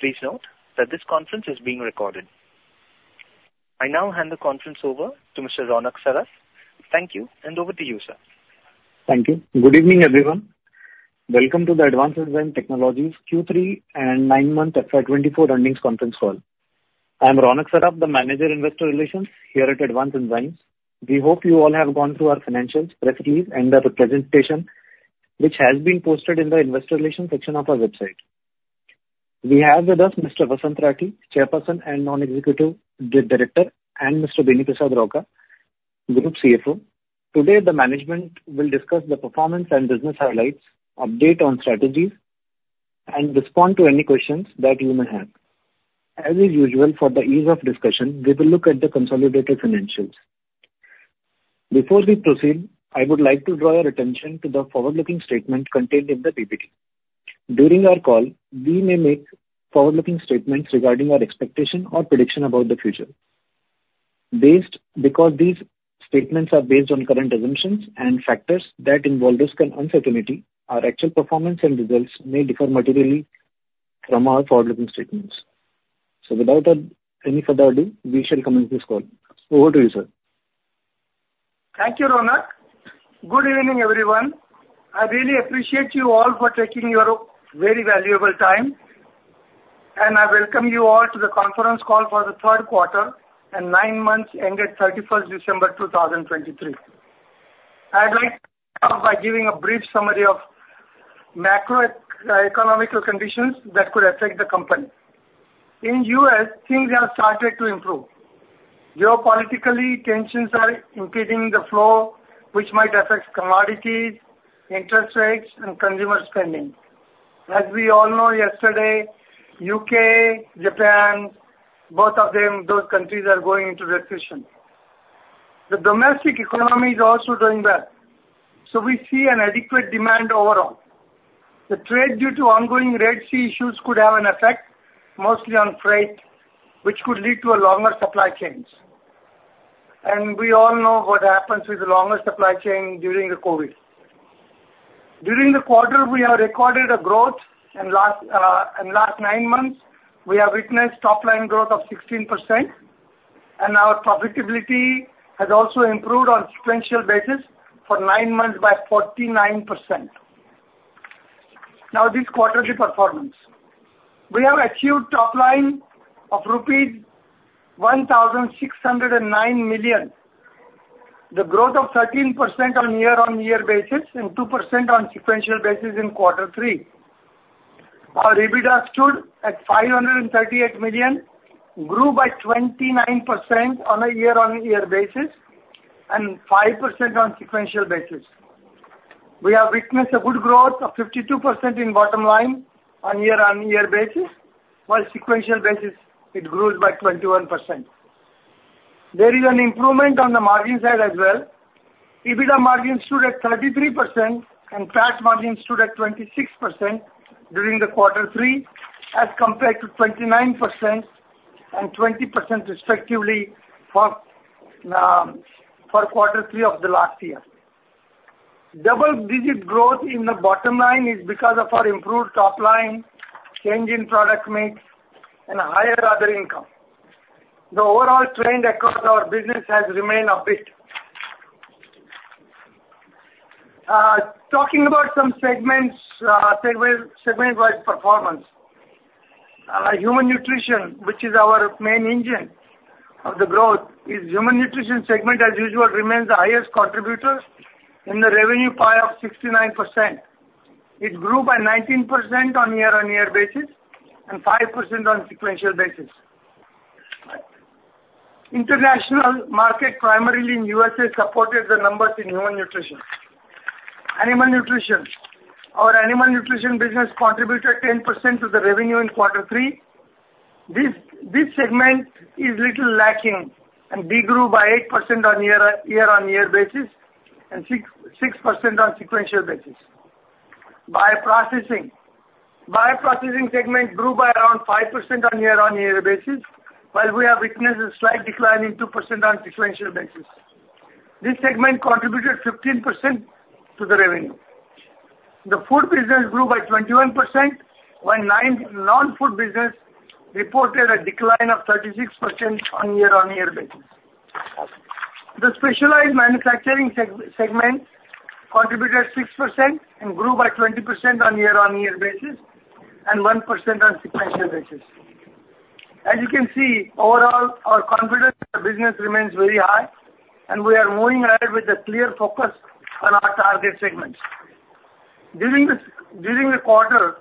Please note that this conference is being recorded. I now hand the conference over to Mr. Ronak Saraf. Thank you, and over to you, sir. Thank you. Good evening, everyone. Welcome to the Advanced Enzyme Technologies Q3 and nine-month FY 2024 Earnings Conference Call. I am Ronak Saraf, the Manager, Investor Relations here at Advanced Enzyme Technologies. We hope you all have gone through our financials, press release, and our presentation, which has been posted in the investor relations section of our website. We have with us Mr. Vasant Rathi, Chairperson and Non-Executive Director, and Mr. Beni Prasad Rauka, Group CFO. Today, the management will discuss the performance and business highlights, update on strategies, and respond to any questions that you may have. As usual, for the ease of discussion, we will look at the consolidated financials. Before we proceed, I would like to draw your attention to the forward-looking statement contained in the PPT. During our call, we may make forward-looking statements regarding our expectation or prediction about the future. Because these statements are based on current assumptions and factors that involve risk and uncertainty, our actual performance and results may differ materially from our forward-looking statements. So without any further ado, we shall commence this call. Over to you, sir. Thank you, Ronak. Good evening, everyone. I really appreciate you all for taking your very valuable time, and I welcome you all to the conference call for the Q3 and nine months ended 31 December 2023. I'd like to start by giving a brief summary of macroeconomic conditions that could affect the company. In U.S., things have started to improve. Geopolitically, tensions are increasing the flow, which might affect commodities, interest rates, and consumer spending. As we all know, yesterday, U.K., Japan, both of them, those countries, are going into recession. The domestic economy is also doing well, so we see an adequate demand overall. The trade due to ongoing Red Sea issues could have an effect, mostly on freight, which could lead to longer supply chains. And we all know what happens with the longer supply chain during the COVID. During the quarter, we have recorded a growth, in last, in last nine months, we have witnessed top line growth of 16%, and our profitability has also improved on sequential basis for nine months by 49%. Now, this quarterly performance. We have achieved top line of rupees 1,609 million, the growth of 13% on year-on-year basis and 2% on sequential basis in quarter three. Our EBITDA stood at 538 million, grew by 29% on a year-on-year basis and 5% on sequential basis. We have witnessed a good growth of 52% in bottom line on year-on-year basis, while sequential basis, it grew by 21%. There is an improvement on the margin side as well. EBITDA margin stood at 33% and PAT margin stood at 26% during quarter three, as compared to 29% and 20% respectively for quarter three of the last year. Double-digit growth in the bottom line is because of our improved top line, change in product mix, and a higher other income. The overall trend across our business has remained upbeat. Talking about some segments, segment-wide performance. Human Nutrition, which is our main engine of the growth, is Human Nutrition segment, as usual, remains the highest contributor in the revenue pie of 69%. It grew by 19% on year-on-year basis and 5% on sequential basis. International market, primarily in USA, supported the numbers in Human Nutrition. Animal Nutrition. Our Animal Nutrition business contributed 10% to the revenue in quarter three. This segment is little lacking, and we grew by 8% on year-on-year basis and 6% on sequential basis. Bioprocessing segment grew by around 5% on year-on-year basis, while we have witnessed a slight decline in 2% on sequential basis. This segment contributed 15% to the revenue. The food business grew by 21%, while non-food business reported a decline of 36% on year-on-year basis. The Specialized Manufacturing segment contributed 6% and grew by 20% on year-on-year basis and 1% on sequential basis. As you can see, overall, our confidence in the business remains very high, and we are moving ahead with a clear focus on our target segments. During the quarter,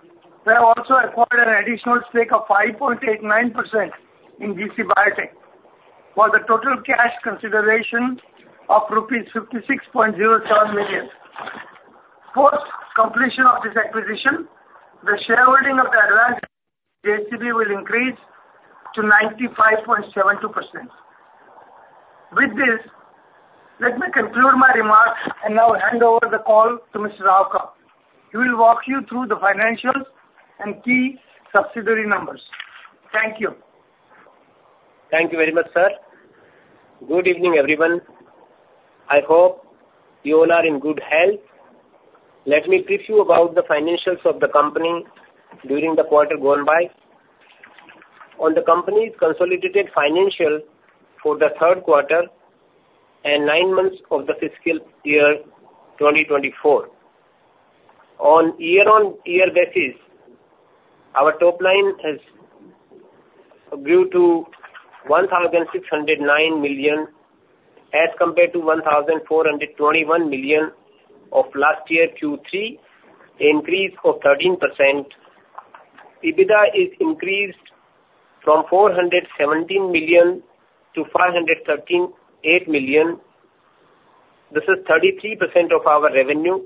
we have also acquired an additional stake of 5.89% in JC Biotech for the total cash consideration of rupees 56.07 million. Post completion of this acquisition, the shareholding of the Advanced Enzymes will increase to 95.72%. With this, let me conclude my remarks and now hand over the call to Mr. Rauka. He will walk you through the financials and key subsidiary numbers. Thank you. Thank you very much, sir. Good evening, everyone. I hope you all are in good health. Let me brief you about the financials of the company during the quarter gone by. On the company's consolidated financials for the Q3 and nine months of the fiscal year 2024. On year-on-year basis, our top line has grew to 1,609 million, as compared to 1,421 million of last year Q3, increase of 13%. EBITDA is increased from 417 million to 538 million. This is 33% of our revenue,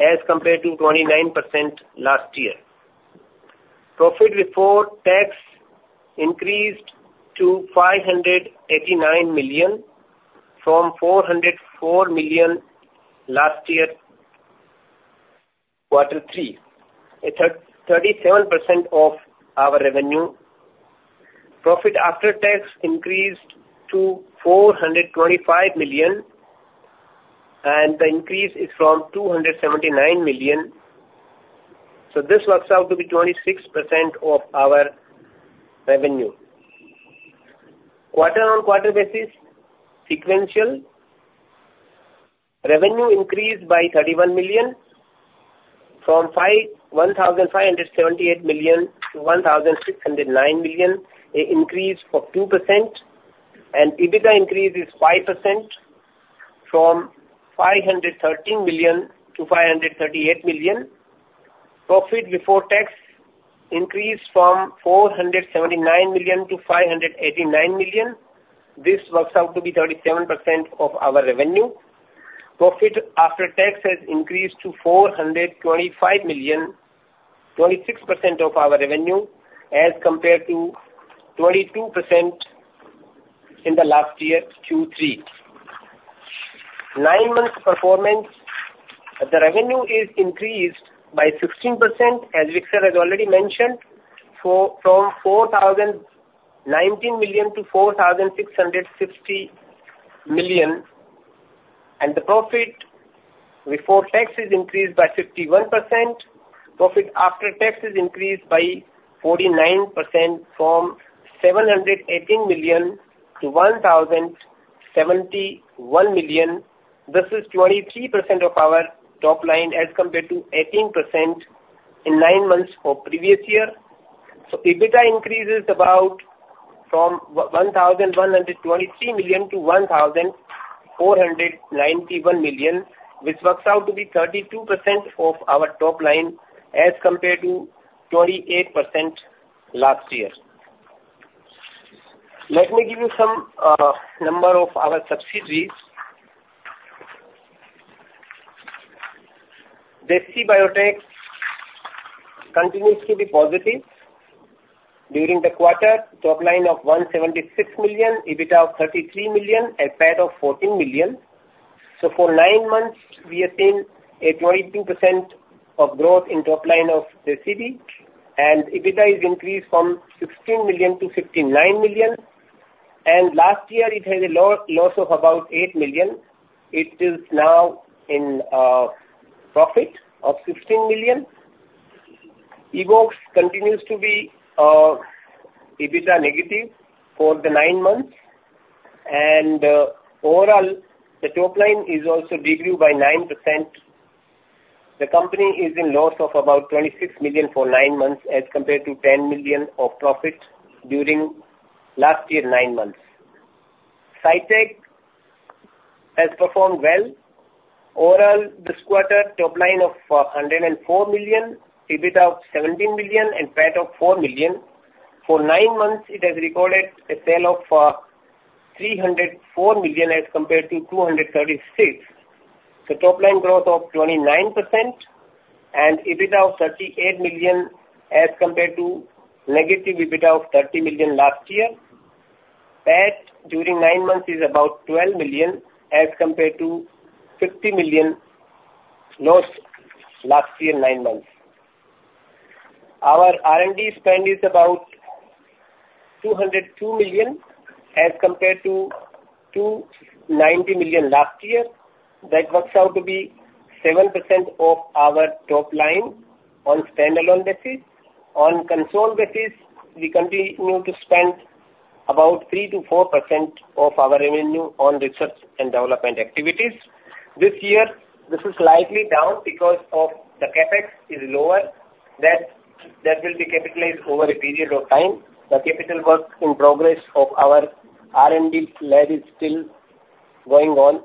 as compared to 29% last year. Profit before tax increased to 589 million, from 404 million last year quarter three, a 37% of our revenue. Profit after tax increased to 425 million, and the increase is from 279 million, so this works out to be 26% of our revenue. Quarter-on-quarter basis, sequential revenue increased by 31 million from 1,578 million to 1,609 million, an increase of 2%, and EBITDA increase is 5% from 513 million to 538 million. Profit before tax increased from 479 million to 589 million. This works out to be 37% of our revenue. Profit after tax has increased to 425 million, 26% of our revenue, as compared to 22% in the last year, Q3. Nine months performance, the revenue is increased by 16%, as Vasant has already mentioned, from 4,019 million to 4,660 million, and the profit before tax is increased by 51%. Profit after tax is increased by 49% from 718 million to 1,071 million. This is 23% of our top line, as compared to 18% in nine months of previous year. So EBITDA increase is about from 1,123 million to 1,491 million, which works out to be 32% of our top line as compared to 28% last year. Let me give you some number of our subsidiaries. JC Biotech continues to be positive. During the quarter, top line of 176 million, EBITDA of 33 million, and PAT of 14 million. So for nine months, we have seen a 22% of growth in top line of JC Biotech, and EBITDA is increased from 16 million to 59 million, and last year it had a loss of about 8 million. It is now in profit of 16 million. Evoxx continues to be EBITDA negative for the nine months, and overall, the top line is also decreased by 9%. The company is in loss of about 26 million for nine months, as compared to 10 million of profit during last year, nine months. SciTech has performed well. Overall, this quarter, top line of 104 million, EBITDA of 17 million, and PAT of 4 million. For nine months, it has recorded a sale of 304 million, as compared to 236. So top line growth of 29% and EBITDA of 38 million, as compared to negative EBITDA of 30 million last year. PAT during nine months is about 12 million, as compared to 50 million loss last year, nine months. Our R&D spend is about 202 million, as compared to 290 million last year. That works out to be 7% of our top line on standalone basis. On consolidated basis, we continue to spend about 3%-4% of our revenue on research and development activities. This year, this is slightly down because of the CapEx is lower, that, that will be capitalized over a period of time. The capital cost in progress of our R&D lab is still going on.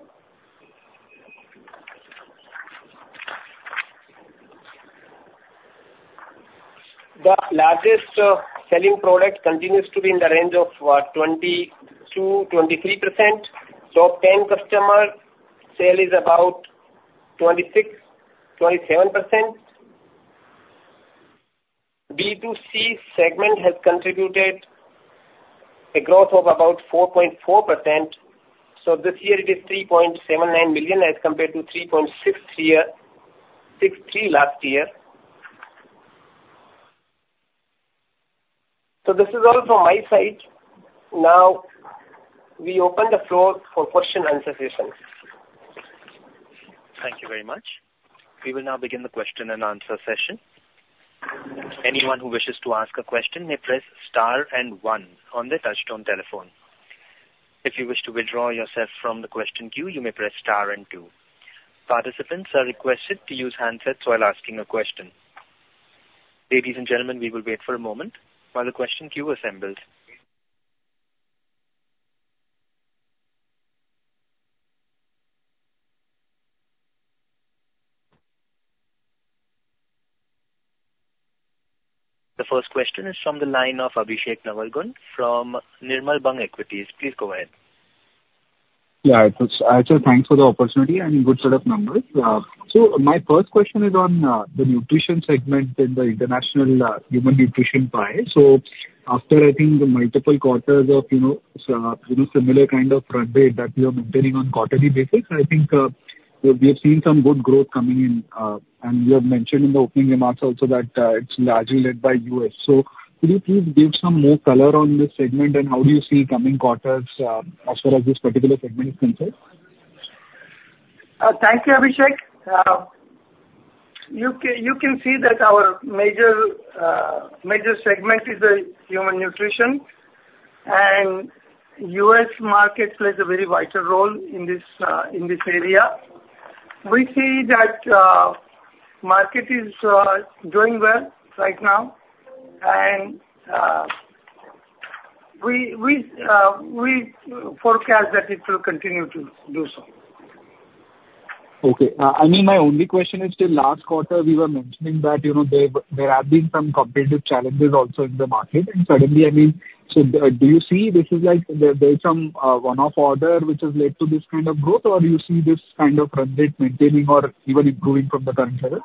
The largest selling product continues to be in the range of, what? 22%-23%. Top 10 customer sale is about 26%-27%. B2C segment has contributed a growth of about 4.4%. So this year it is 3.79 million, as compared to 3.63 million last year. So this is all from my side. Now we open the floor for question answer sessions. Thank you very much. We will now begin the question and answer session. Anyone who wishes to ask a question may press star and one on their touch-tone telephone. If you wish to withdraw yourself from the question queue, you may press star and two. Participants are requested to use handsets while asking a question. Ladies and gentlemen, we will wait for a moment while the question queue assembles. The first question is from the line of Abhishek Navalgund from Nirmal Bang Equities. Please go ahead. Yeah, so thanks for the opportunity and good set of numbers. So my first question is on the nutrition segment in the international Human Nutrition pie. So after, I think, the multiple quarters of, you know, so, you know, similar kind of growth rate that you are maintaining on quarterly basis, I think, we have seen some good growth coming in, and you have mentioned in the opening remarks also that it's largely led by U.S. So could you please give some more color on this segment and how do you see coming quarters, as far as this particular segment is concerned? Thank you, Abhishek. You can see that our major segment is the Human Nutrition, and U.S. market plays a very vital role in this area. We see that market is doing well right now, and we forecast that it will continue to do so. Okay. I mean, my only question is, till last quarter, we were mentioning that, you know, there have been some competitive challenges also in the market, and suddenly, I mean, so do you see this is like there is some one-off order which has led to this kind of growth, or you see this kind of run rate maintaining or even improving from the current level?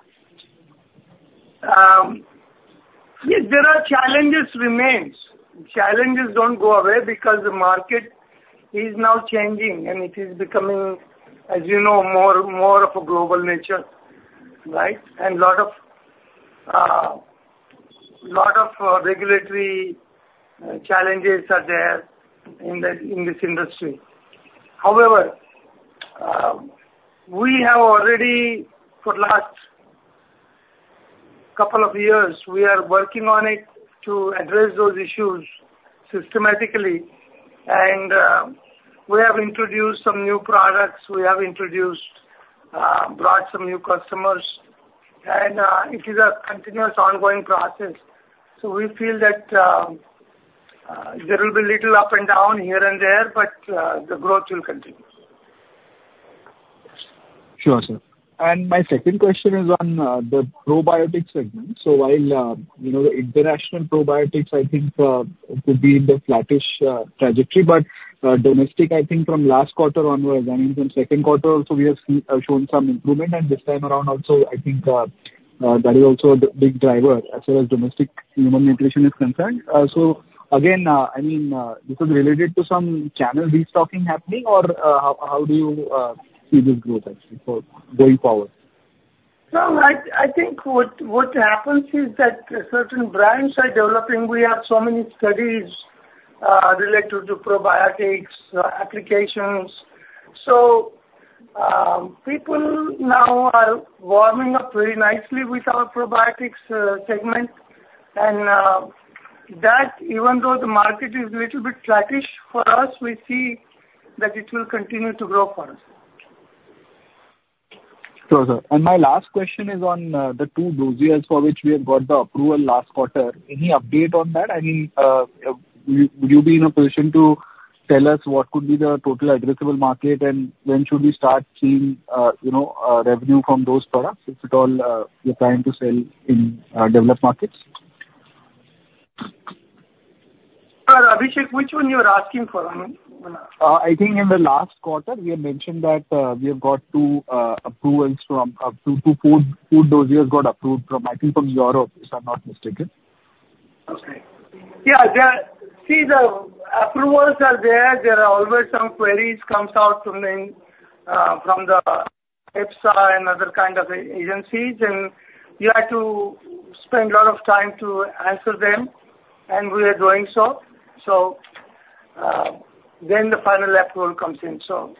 Yes, there are challenges remains. Challenges don't go away because the market is now changing, and it is becoming, as you know, more of a global nature, right? And lot of regulatory challenges are there in this industry. However, we have already for last couple of years, we are working on it to address those issues systematically, and we have introduced some new products. We have introduced, brought some new customers, and it is a continuous ongoing process. So we feel that there will be little up and down, here and there, but the growth will continue. Sure, sir. And my second question is on the Probiotic segment. So while, you know, the international Probiotics, I think, could be in the flattish trajectory, but domestic, I think from last quarter onwards, I mean, from Q2 also, we have seen shown some improvement, and this time around also, I think that is also a big driver as well as domestic Human Nutrition is concerned. So again, I mean, this is related to some channel restocking happening, or how do you see this growth actually going forward? No, I think what happens is that certain brands are developing. We have so many studies related to Probiotics applications. So, people now are warming up very nicely with our Probiotics segment, and that even though the market is little bit flattish for us, we see that it will continue to grow for us. Sure, sir. And my last question is on the two doses for which we have got the approval last quarter. Any update on that? I mean, will you, will you be in a position to tell us what could be the total addressable market, and when should we start seeing, you know, revenue from those products, if at all, you're trying to sell in developed markets? Abhishek, which one you are asking for? I mean, I think in the last quarter, we had mentioned that we have got two approvals from two food dossiers got approved from, I think, from Europe, if I'm not mistaken. Okay. Yeah. See, the approvals are there. There are always some queries comes out from the, from the EFSA and other kind of agencies, and you have to spend a lot of time to answer them, and we are doing so. So, then the final approval comes in. So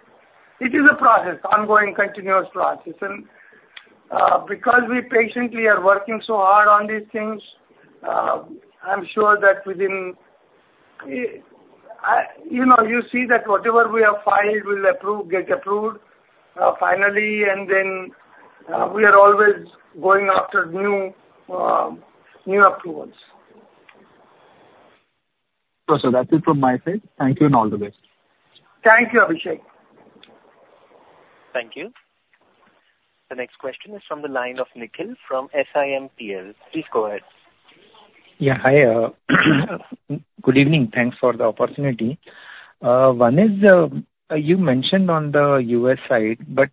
it is a process, ongoing, continuous process. And, because we patiently are working so hard on these things, I'm sure that within, you know, you see that whatever we have filed will approve, get approved, finally, and then, we are always going after new, new approvals. That's it from my side. Thank you, and all the best. Thank you, Abhishek. Thank you. The next question is from the line of Nikhil from SIMPL. Please go ahead. Yeah, hi. Good evening. Thanks for the opportunity. One is, you mentioned on the U.S. side, but,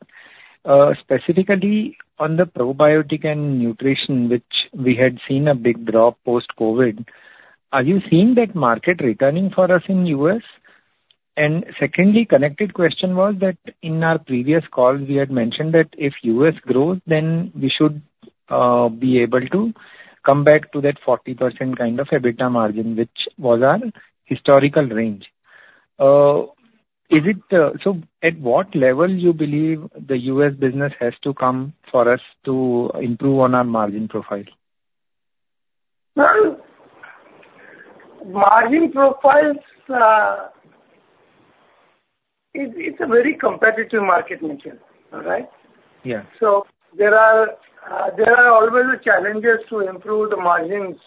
specifically on the Probiotic and nutrition, which we had seen a big drop post-COVID, are you seeing that market returning for us in U.S.? And secondly, connected question was that in our previous calls, we had mentioned that if U.S. grows, then we should be able to come back to that 40% kind of EBITDA margin, which was our historical range. Is it? So at what level do you believe the U.S. business has to come for us to improve on our margin profile? Well, margin profiles, it's a very competitive market, Nikhil. All right? Yeah. So there are always challenges to improve the margins,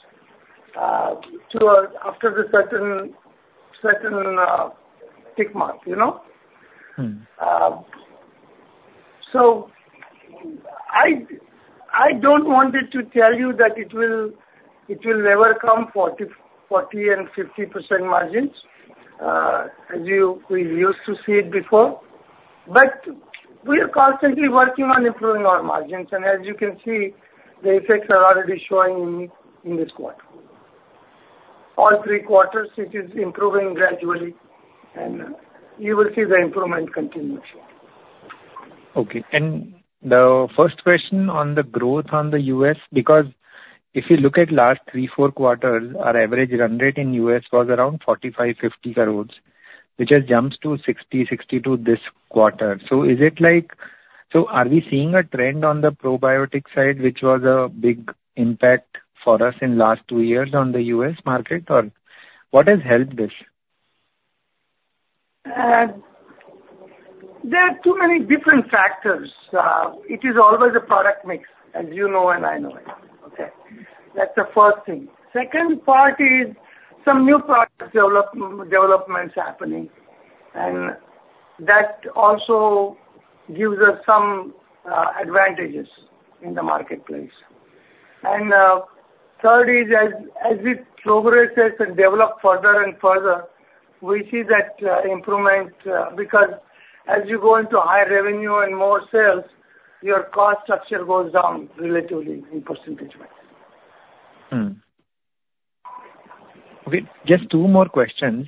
to, after a certain tick mark, you know? So, I don't want to tell you that it will never come to 40 and 50% margins, as we used to see it before, but we are constantly working on improving our margins. And as you can see, the effects are already showing in this quarter. All three quarters, it is improving gradually, and you will see the improvement continuously. Okay. And the first question on the growth on the U.S., because if you look at last three, four quarters, our average run rate in U.S. was around 45-50 crores, which has jumped to 60-62 crores this quarter. So is it like... So are we seeing a trend on the Probiotic side, which was a big impact for us in last two years on the U.S. market, or what has helped this? There are too many different factors. It is always a product mix, as you know, and I know it. Okay? That's the first thing. Second part is some new product developments happening, and that also gives us some advantages in the marketplace. Third is as we progress this and develop further and further, we see that improvement, because as you go into higher revenue and more sales, your cost structure goes down relatively in percentage-wise. Hmm. Okay, just two more questions.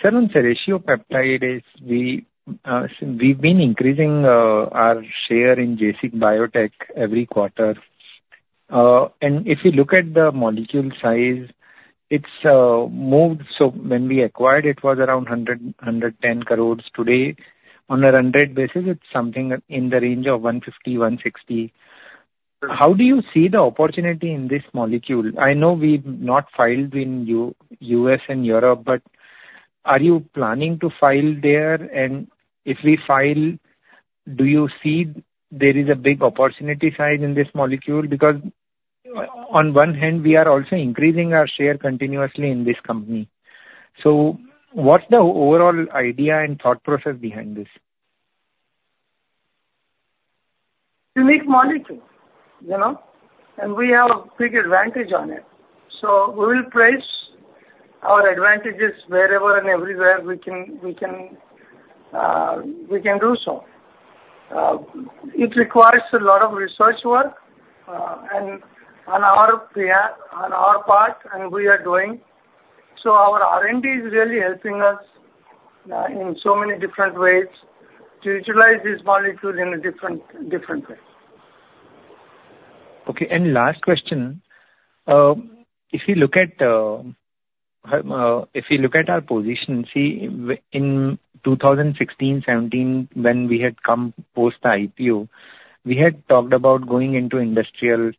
Sir, on the Serratiopeptidase, we have been increasing our share in JC Biotech every quarter. And if you look at the molecule size, it has moved. So when we acquired, it was around 110 crore. Today, on a run rate basis, it is something in the range of 150 crore-160 crore. How do you see the opportunity in this molecule? I know we have not filed in the U.S. and Europe, but are you planning to file there? And if we file, do you see there is a big opportunity side in this molecule? Because on one hand, we are also increasing our share continuously in this company. So what is the overall idea and thought process behind this? Unique molecule, you know, and we have a big advantage on it. So we will place our advantages wherever and everywhere we can, we can, we can do so. It requires a lot of research work, and on our part, and we are doing. So our R&D is really helping us, in so many different ways to utilize this molecule in a different, different way. Okay, and last question. If you look at our position, see, in 2016, 2017, when we had come post the IPO, we had talked about going into industrial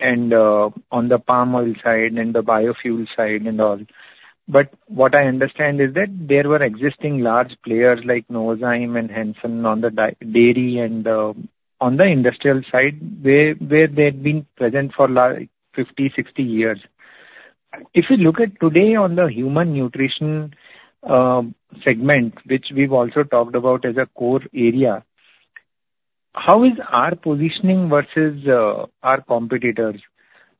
and on the palm oil side and the biofuel side and all. But what I understand is that there were existing large players like Novozymes and Chr. Hansen on the dairy and on the industrial side, where they've been present for like 50, 60 years. If you look at today on the Human Nutrition segment, which we've also talked about as a core area, how is our positioning versus our competitors?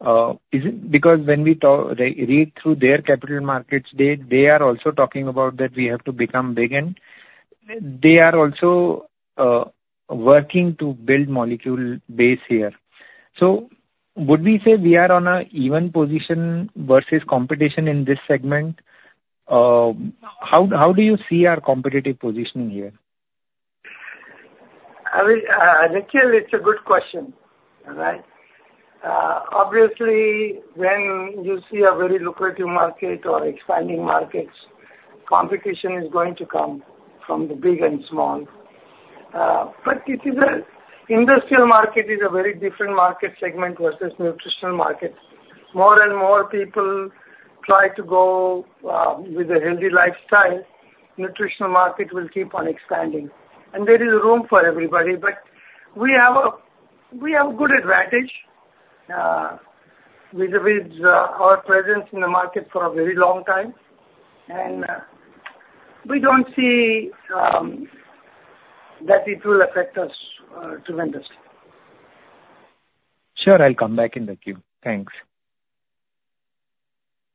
Is it because when we talk, read through their capital markets, they are also talking about that we have to become big, and they are also working to build molecule base here. So would we say we are on an even position versus competition in this segment? How do you see our competitive positioning here? I mean, Nikhil, it's a good question. All right. Obviously, when you see a very lucrative market or expanding markets, competition is going to come from the big and small. But it is a industrial market is a very different market segment versus nutritional market. More and more people try to go with a healthy lifestyle, nutritional market will keep on expanding, and there is room for everybody. But we have a, we have a good advantage vis-a-vis our presence in the market for a very long time. And we don't see that it will affect us tremendously. Sure, I'll come back in the queue. Thanks.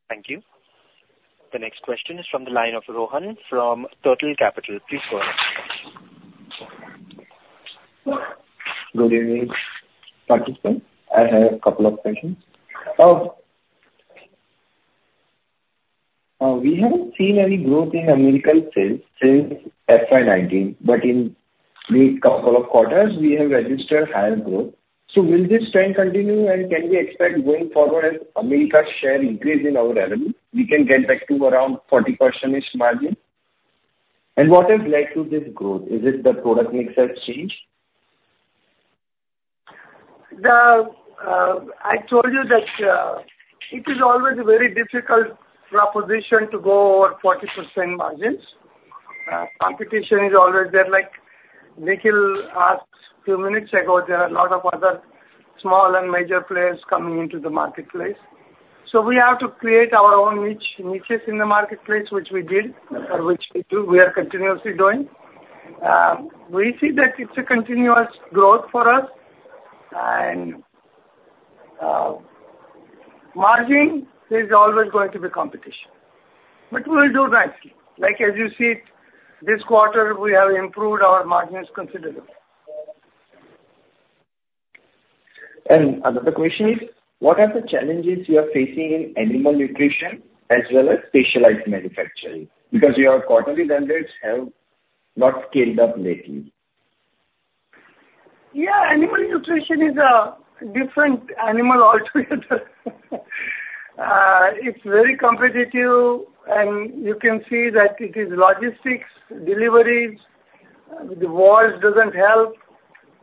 Thank you. The next question is from the line of Rohan from Turtle Capital. Please go ahead. Good evening, participants. I have a couple of questions. We haven't seen any growth in Americas sales since FY19, but in the couple of quarters we have registered higher growth. So will this trend continue, and can we expect going forward as Americas share increase in our revenue, we can get back to around 40%-ish margin? And what has led to this growth? Is it the product mix has changed? I told you that it is always a very difficult proposition to go over 40% margins. Competition is always there, like Nikhil asked few minutes ago, there are a lot of other small and major players coming into the marketplace. So we have to create our own niche, niches in the marketplace, which we did, which we do, we are continuously doing. We see that it's a continuous growth for us, and margin is always going to be competition, but we'll do nicely. Like, as you see it, this quarter, we have improved our margins considerably. Another question is: What are the challenges you are facing in Animal Nutrition as well as Specialized Manufacturing? Because your quarterly numbers have not scaled up lately. Yeah, Animal Nutrition is a different animal altogether. It's very competitive, and you can see that it is logistics, deliveries, the wars doesn't help,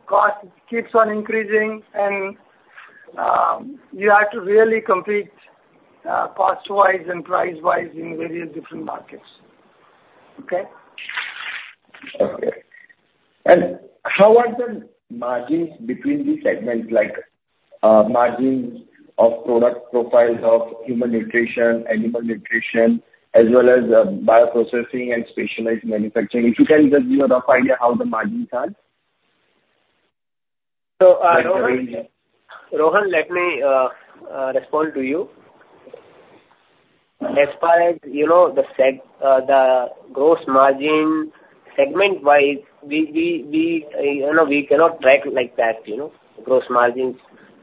cost keeps on increasing, and you have to really compete, cost-wise and price-wise in various different markets. Okay? Okay. How are the margins between the segments, like, margins of product profiles of Human Nutrition, Animal Nutrition, as well as, Bioprocessing and Specialized Manufacturing? If you can just give a rough idea how the margins are? So, Rohan, Rohan, let me respond to you. As far as you know, the segment-wise gross margin, we cannot track like that, you know, gross margins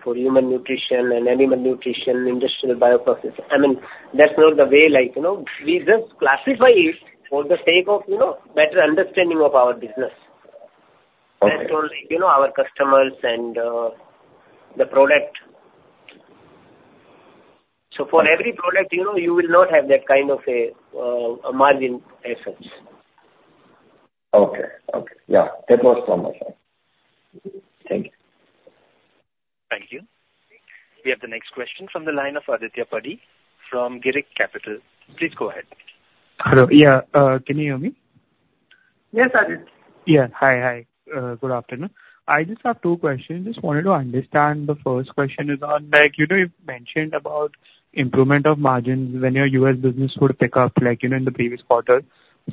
for Human Nutrition and Animal Nutrition, industrial Bioprocessing. I mean, that's not the way like, you know, we just classify it for the sake of, you know, better understanding of our business. Okay. As told, you know, our customers and the product. So for every product, you know, you will not have that kind of a margin as such. Okay. Okay. Yeah, that was from my side. Thank you. Thank you. We have the next question from the line of Aditya Padhi from Girik Capital. Please go ahead. Hello. Yeah, can you hear me? Yes, Aditya. Yeah. Hi. Hi, good afternoon. I just have two questions. Just wanted to understand. The first question is on, like, you know, you've mentioned about improvement of margins when your U.S. business would pick up, like, you know, in the previous quarter.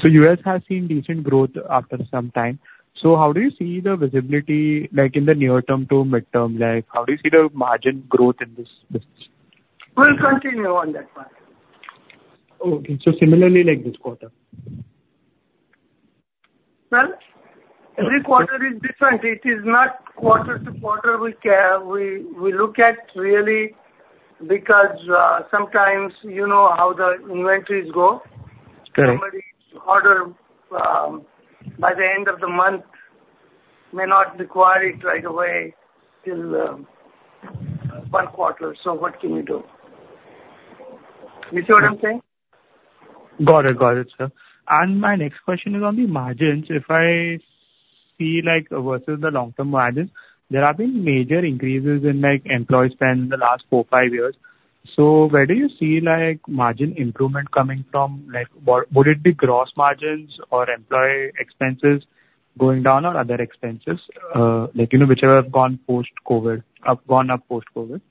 So U.S. has seen decent growth after some time. So how do you see the visibility, like, in the near term to mid-term? Like, how do you see the margin growth in this business? We'll continue on that path. Okay. So similarly, like this quarter? Well, every quarter is different. It is not quarter to quarter we care. We, we look at really because sometimes you know how the inventories go. Okay. Somebody's order, by the end of the month, may not require it right away till one quarter, so what can we do? You see what I'm saying? Got it. Got it, sir. And my next question is on the margins. If I see, like, versus the long-term margins, there have been major increases in, like, employee spend in the last 4, 5 years. So where do you see, like, margin improvement coming from? Like, what, would it be gross margins or employee expenses going down or other expenses, like, you know, which have gone post-COVID, have gone up post-COVID?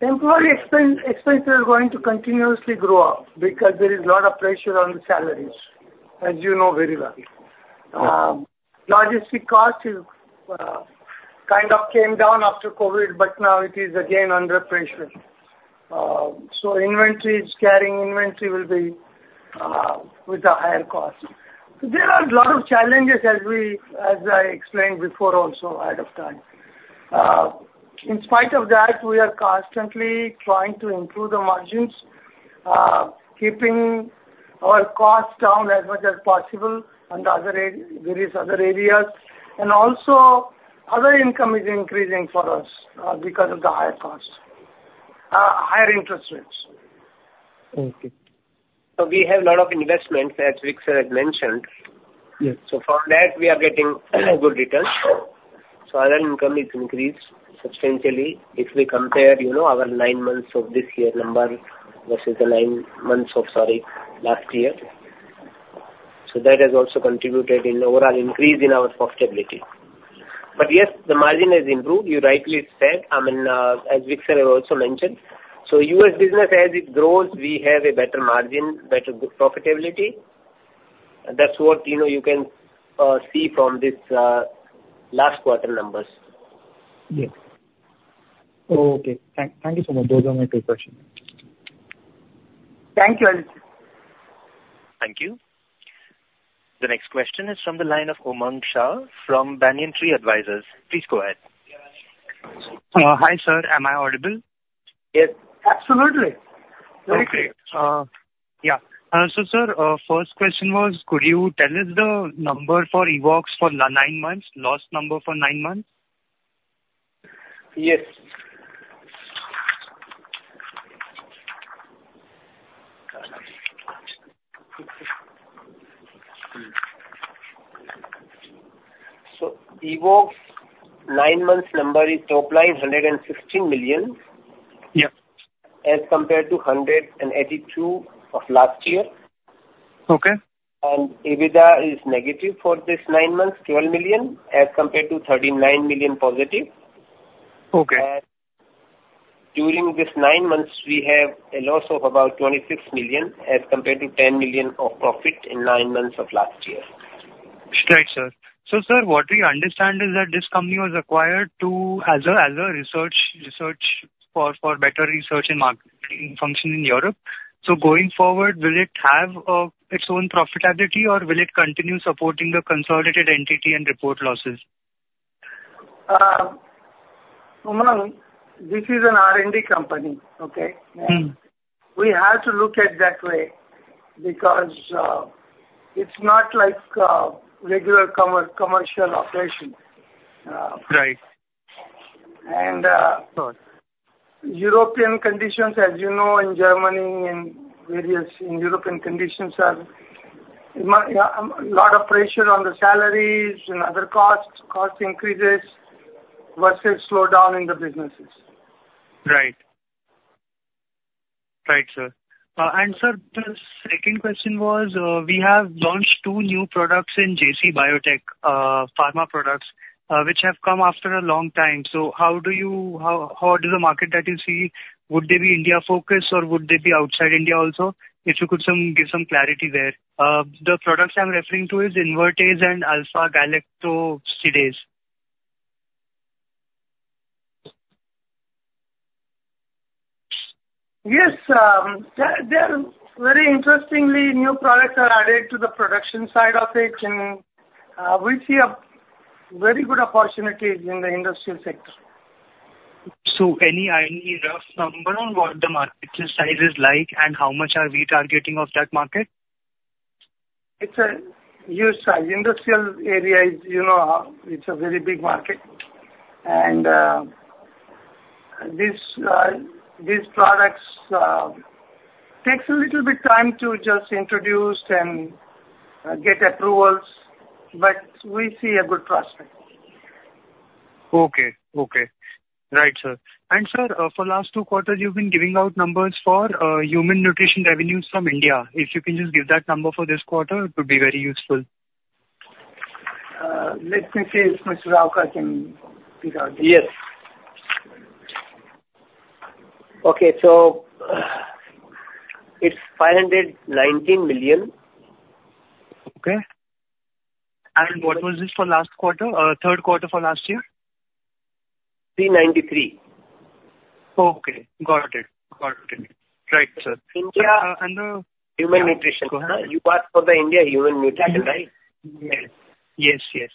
Employee expense, expenses are going to continuously grow up because there is a lot of pressure on the salaries, as you know very well. Logistic cost is, kind of came down after COVID, but now it is again under pressure. So inventories, carrying inventory will be, with a higher cost. So there are a lot of challenges as we, as I explained before also, ahead of time. In spite of that, we are constantly trying to improve the margins, keeping our costs down as much as possible on the other various other areas. And also, other income is increasing for us, because of the higher costs, higher interest rates. Okay. We have a lot of investments, as Vikram had mentioned. Yes. So from that, we are getting good returns. So our income is increased substantially. If we compare, you know, our nine months of this year number versus the nine months of, sorry, last year. So that has also contributed in overall increase in our profitability. But yes, the margin has improved, you rightly said, I mean, as Vikram also mentioned. So U.S. business, as it grows, we have a better margin, better good profitability. That's what, you know, you can see from this last quarter numbers. Yes. Oh, okay. Thank, thank you so much. Those are my two questions. Thank you, Anuj. Thank you. The next question is from the line of Umang Shah from Banyan Tree Advisors. Please go ahead. Hi, sir. Am I audible? Yes. Absolutely. Okay. Yeah. So sir, first question was, could you tell us the number for Evoxx for nine months, last number for nine months? Yes. So Evoxx, nine months number is top line 116 million. Yeah. As compared to 182 of last year. Okay. EBITDA is negative 12 million for this nine months, as compared to 39 million positive. Okay. During this nine months, we have a loss of about 26 million, as compared to 10 million of profit in nine months of last year. Right, sir. So sir, what we understand is that this company was acquired to as a research for better research and marketing function in Europe. So going forward, will it have its own profitability, or will it continue supporting the consolidated entity and report losses? Umang, this is an R&D company, okay? We have to look at that way, because, it's not like, regular commercial operation. Right. And. Sure. European conditions, as you know, in Germany and various, in European conditions, are a lot of pressure on the salaries and other costs, cost increases versus slowdown in the businesses. Right. Right, sir. And sir, the second question was, we have launched two new products in JC Biotech, Pharma products, which have come after a long time. So how do you—how, how does the market that you see, would they be India focused or would they be outside India also? If you could give some clarity there. The products I'm referring to is Invertase and Alpha Galactosidase. Yes. They are, they are very interestingly, new products are added to the production side of it, and we see a very good opportunities in the industrial sector. Any rough number on what the market size is like and how much are we targeting of that market? It's a huge size. Industrial area is, you know, it's a very big market, and these products takes a little bit time to just introduce and get approvals, but we see a good prospect. Okay. Okay. Right, sir. And sir, for last two quarters, you've been giving out numbers for Human Nutrition revenues from India. If you can just give that number for this quarter, it would be very useful. Let me see if Mr. Rauka can figure out this. Yes. Okay. So, it's INR 519 million. Okay. And what was this for last quarter, Q3 for last year? Three ninety-three. Okay. Got it. Got it. Right, sir. India. And. Human Nutrition. Go ahead. You asked for the India Human Nutrition, right? Yes. Yes, yes.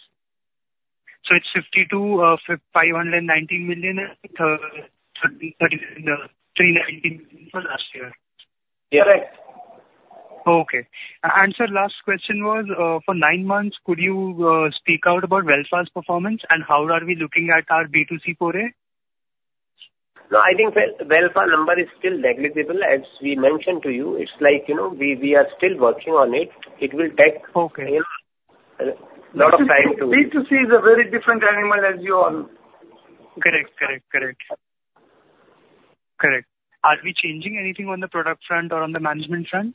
It's 52, 519 million, 30, 390 million for last year. Yeah. Correct. Okay. Sir, last question was, for nine months, could you speak out about Wellfa's performance and how are we looking at our B2C foray? No, I think Wellfa number is still negligible, as we mentioned to you. It's like, you know, we, we are still working on it. It will take- Okay You know, a lot of time to- B2C is a very different animal, as you all- Correct. Correct. Correct. Correct. Are we changing anything on the product front or on the management front?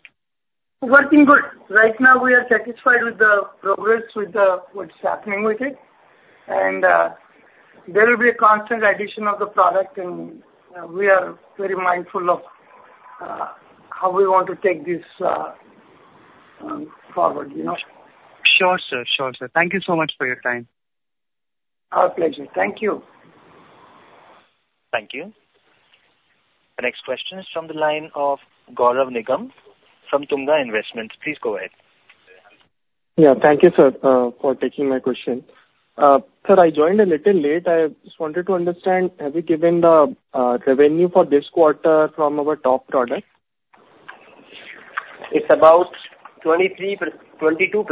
Working good. Right now, we are satisfied with the progress with the, what's happening with it, and there will be a constant addition of the product, and we are very mindful of how we want to take this forward, you know? Sure, sir. Sure, sir. Thank you so much for your time. Our pleasure. Thank you. Thank you. The next question is from the line of Gaurav Nigam from Tunga Investments. Please go ahead. Yeah. Thank you, sir, for taking my question. Sir, I joined a little late. I just wanted to understand, have you given the revenue for this quarter from our top product? It's about 23, 22%.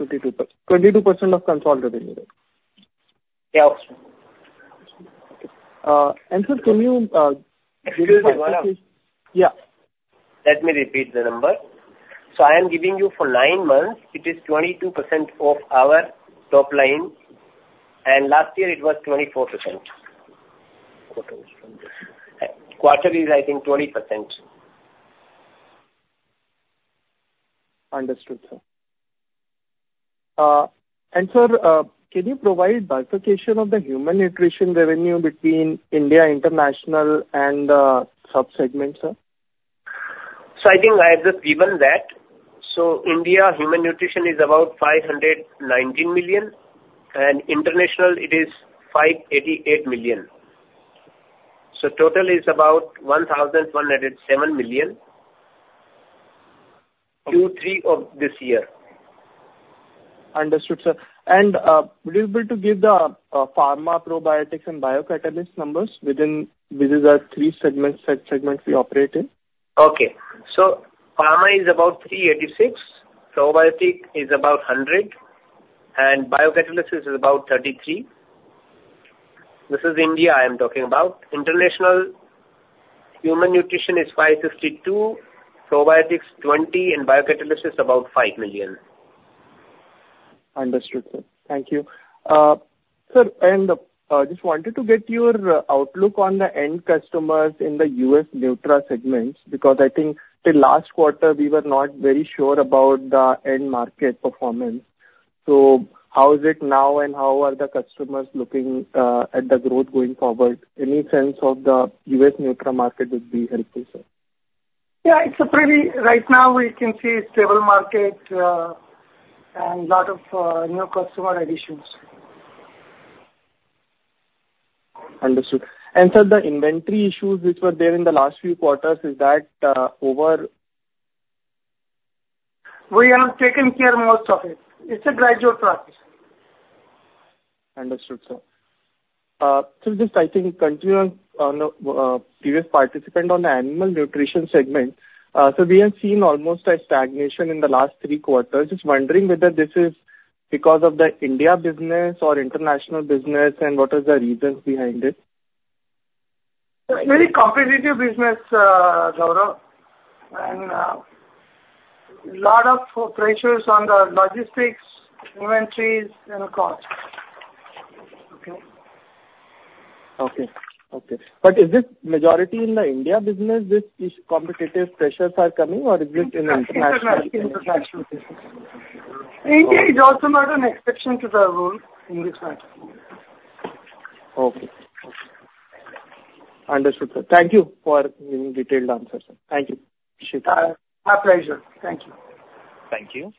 22%. 22% of consolidated revenue? Yeah. Sir, can you Excuse me, Gaurav. Yeah. Let me repeat the number. So I am giving you for nine months, it is 22% of our top line, and last year it was 24%. Quarterly, I think 20%. Understood, sir. Sir, can you provide bifurcation of the Human Nutrition revenue between India, international, and sub-segments, sir? I think I have just given that. India Human Nutrition is about 519 million, and international it is 588 million. Total is about 1,107 million, Q3 of this year. Understood, sir. And would you be able to give the Pharma, Probiotics, and Biocatalyst numbers within these? These are three segments, segments we operate in. Okay. So Pharma is about 386, Probiotic is about 100, and biocatalysis is about 33. This is India, I am talking about. International, Human Nutrition is $552, Probiotics $20, and biocatalysis about $5 million. Understood, sir. Thank you. Sir, and just wanted to get your outlook on the end customers in the U.S. Nutra segments, because I think the last quarter we were not very sure about the end market performance. So how is it now, and how are the customers looking at the growth going forward? Any sense of the U.S. Nutra market would be helpful, sir. Yeah. Right now we can see a stable market, and a lot of new customer additions. Understood. And sir, the inventory issues which were there in the last few quarters, is that over? We have taken care of most of it. It's a gradual process. Understood, sir. So just I think continuing on the previous participant on the Animal Nutrition segment, so we have seen almost a stagnation in the last three quarters. Just wondering whether this is because of the India business or international business, and what is the reasons behind it? It's very competitive business, Gaurav, and, lot of pressures on the logistics, inventories, and costs. Okay. Okay. Okay. But is this majority in the India business, this, these competitive pressures are coming, or is it in international? International. India is also not an exception to the rule in this matter. Okay. Understood, sir. Thank you for your detailed answers. Thank you. Appreciate that. My pleasure. Thank you. Thank you.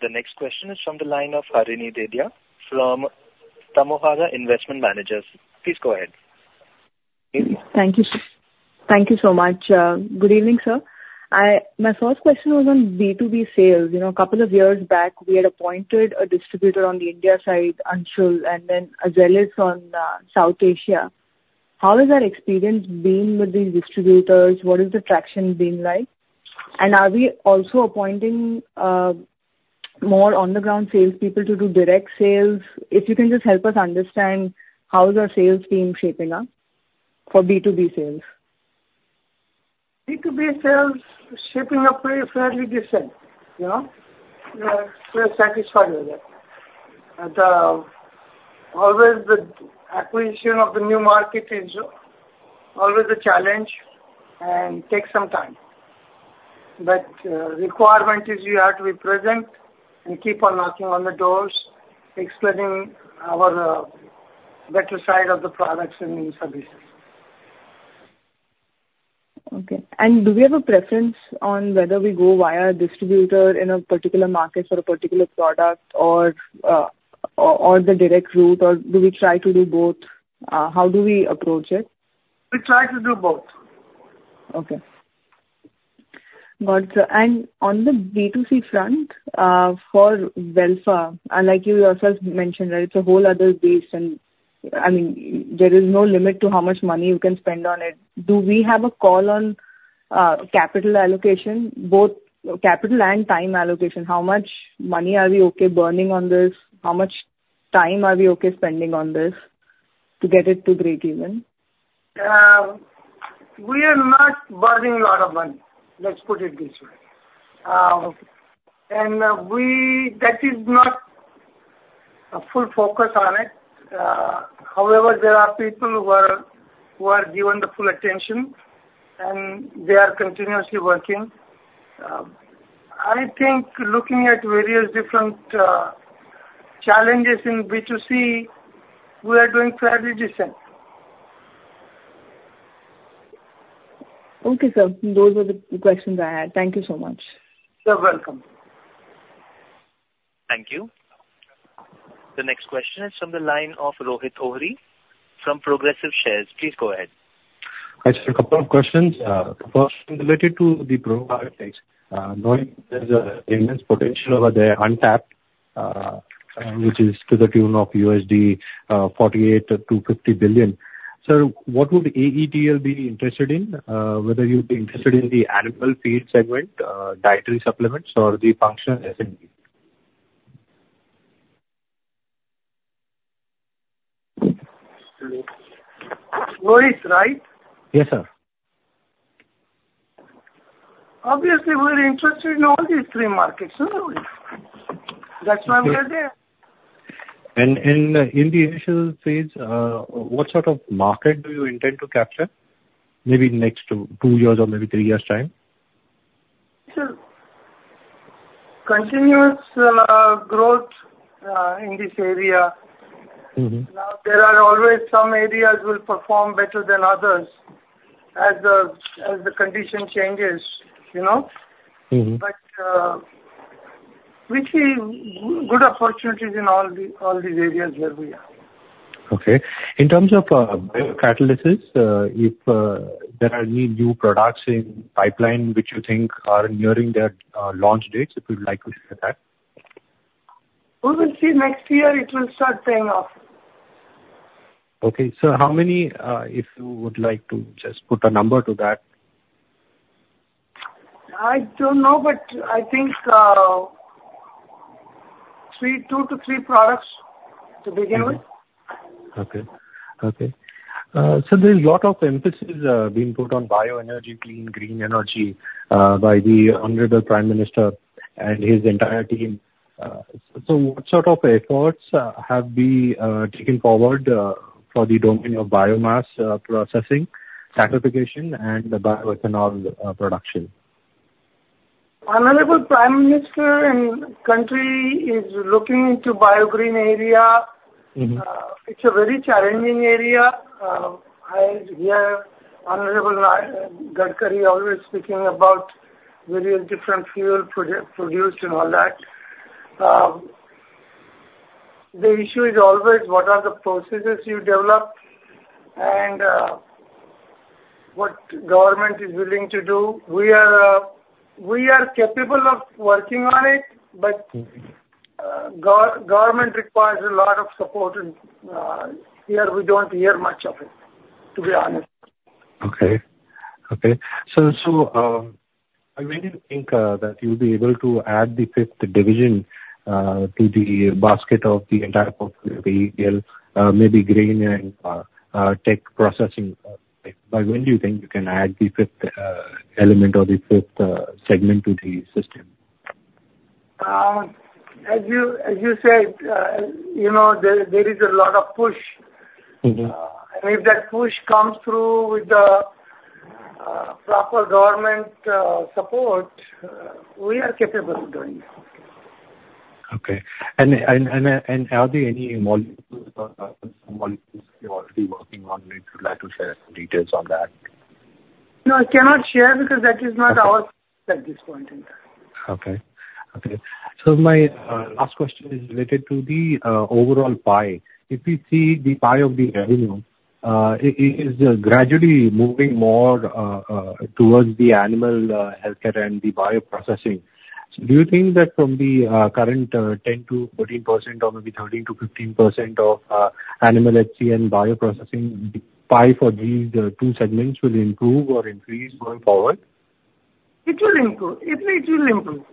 The next question is from the line of Harini Dedhia from Tamohara Investment Managers. Please go ahead. Thank you. Thank you so much. Good evening, sir. My first question was on B2B sales. You know, a couple of years back, we had appointed a distributor on the India side, Anshul, and then Azelis on South Asia. How has that experience been with these distributors? What has the traction been like? And are we also appointing more on-the-ground sales people to do direct sales? If you can just help us understand how is our sales team shaping up for B2B sales. B2B sales shaping up fairly, fairly decent, you know? We are satisfied with it. Always the acquisition of the new market is always a challenge and takes some time. But, requirement is you have to be present and keep on knocking on the doors, explaining our better side of the products and services. Okay. And do we have a preference on whether we go via a distributor in a particular market for a particular product or the direct route, or do we try to do both? How do we approach it? We try to do both. Okay. Got you. And on the B2C front, for Wellfa, and like you yourself mentioned, that it's a whole other beast, and, I mean, there is no limit to how much money you can spend on it. Do we have a call on, capital allocation, both capital and time allocation? How much money are we okay burning on this? How much time are we okay spending on this to get it to breakeven? We are not burning a lot of money, let's put it this way. Okay. That is not a full focus on it. However, there are people who are given the full attention, and they are continuously working. I think looking at various different challenges in B2C, we are doing fairly decent. Okay, sir. Those are the questions I had. Thank you so much. You're welcome. Thank you. The next question is from the line of Rohit Ohri from Progressive Shares. Please go ahead. Just a couple of questions. First, related to the Probiotics, knowing there's an immense potential over there, untapped, which is to the tune of $48 billion-$50 billion. Sir, what would AETL be interested in? Whether you'd be interested in the animal feed segment, dietary supplements or the functional F&B? Rohit, right? Yes, sir. Obviously, we're interested in all these three markets. Surely. That's why we are there. In the initial phase, what sort of market do you intend to capture? Maybe next two years or maybe three years' time. Continuous growth in this area. Now, there are always some areas will perform better than others as the condition changes, you know? We see good opportunities in all the, all these areas where we are. Okay. In terms of biocatalysis, if there are any new products in pipeline which you think are nearing their launch dates, if you'd like to share that? We will see next year, it will start paying off. Okay. So how many, if you would like to just put a number to that? I don't know, but I think, 3, 2-3 products to begin with. Okay. Okay. So there's a lot of emphasis being put on bioenergy, clean, green energy, by the Honorable Prime Minister and his entire team. So what sort of efforts have been taken forward for the domain of biomass processing, certification and the bioethanol production? Honorable Prime Minister and country is looking into bio-green area. It's a very challenging area. I hear Honorable Gadkari always speaking about various different fuel produced and all that. The issue is always what are the processes you develop and what government is willing to do. We are capable of working on it, but- Government requires a lot of support, and here we don't hear much of it, to be honest. Okay. So, I really think that you'll be able to add the fifth division to the basket of the entire portfolio, maybe grain and tech processing. By when do you think you can add the fifth element or the fifth segment to the system? As you said, you know, there is a lot of push. If that push comes through with the proper government support, we are capable of doing that. Okay. Are there any molecules or molecules you're already working on, if you'd like to share some details on that? No, I cannot share because that is not ours at this point in time. Okay. Okay. So my last question is related to the overall pie. If you see the pie of the revenue, it is gradually moving more towards the animal healthcare and the Bioprocessing. So do you think that from the current 10%-14% or maybe 13%-15% of animal HC and Bioprocessing pie for these two segments will improve or increase going forward? It will improve. It, it will improve.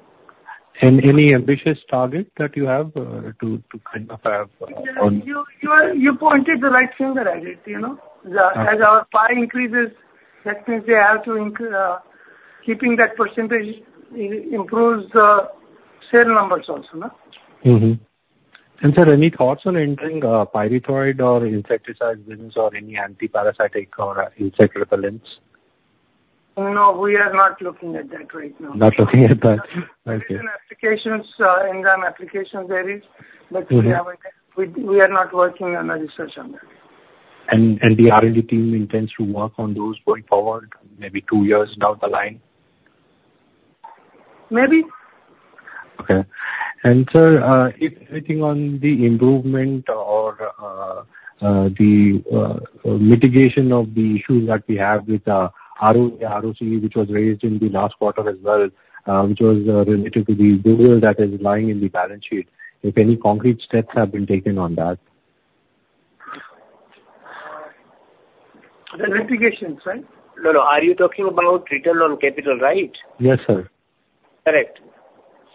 Any ambitious target that you have to kind of have on? You pointed the right finger at it, you know. As our pie increases, that means we have to, keeping that percentage improves the sales numbers also, no? Sir, any thoughts on entering, pyrethroid or insecticide business or any anti-parasitic or insect repellents? No, we are not looking at that right now. Not looking at that. Okay. Applications, end application there is but we are not working on research on that. And the R&D team intends to work on those going forward, maybe two years down the line? Maybe. Okay. And sir, if anything, on the improvement or the mitigation of the issues that we have with ROCE, which was raised in the last quarter as well, which was related to the delay that is lying in the balance sheet, if any concrete steps have been taken on that? The mitigations, right? No, no. Are you talking about return on capital, right? Yes, sir. Correct.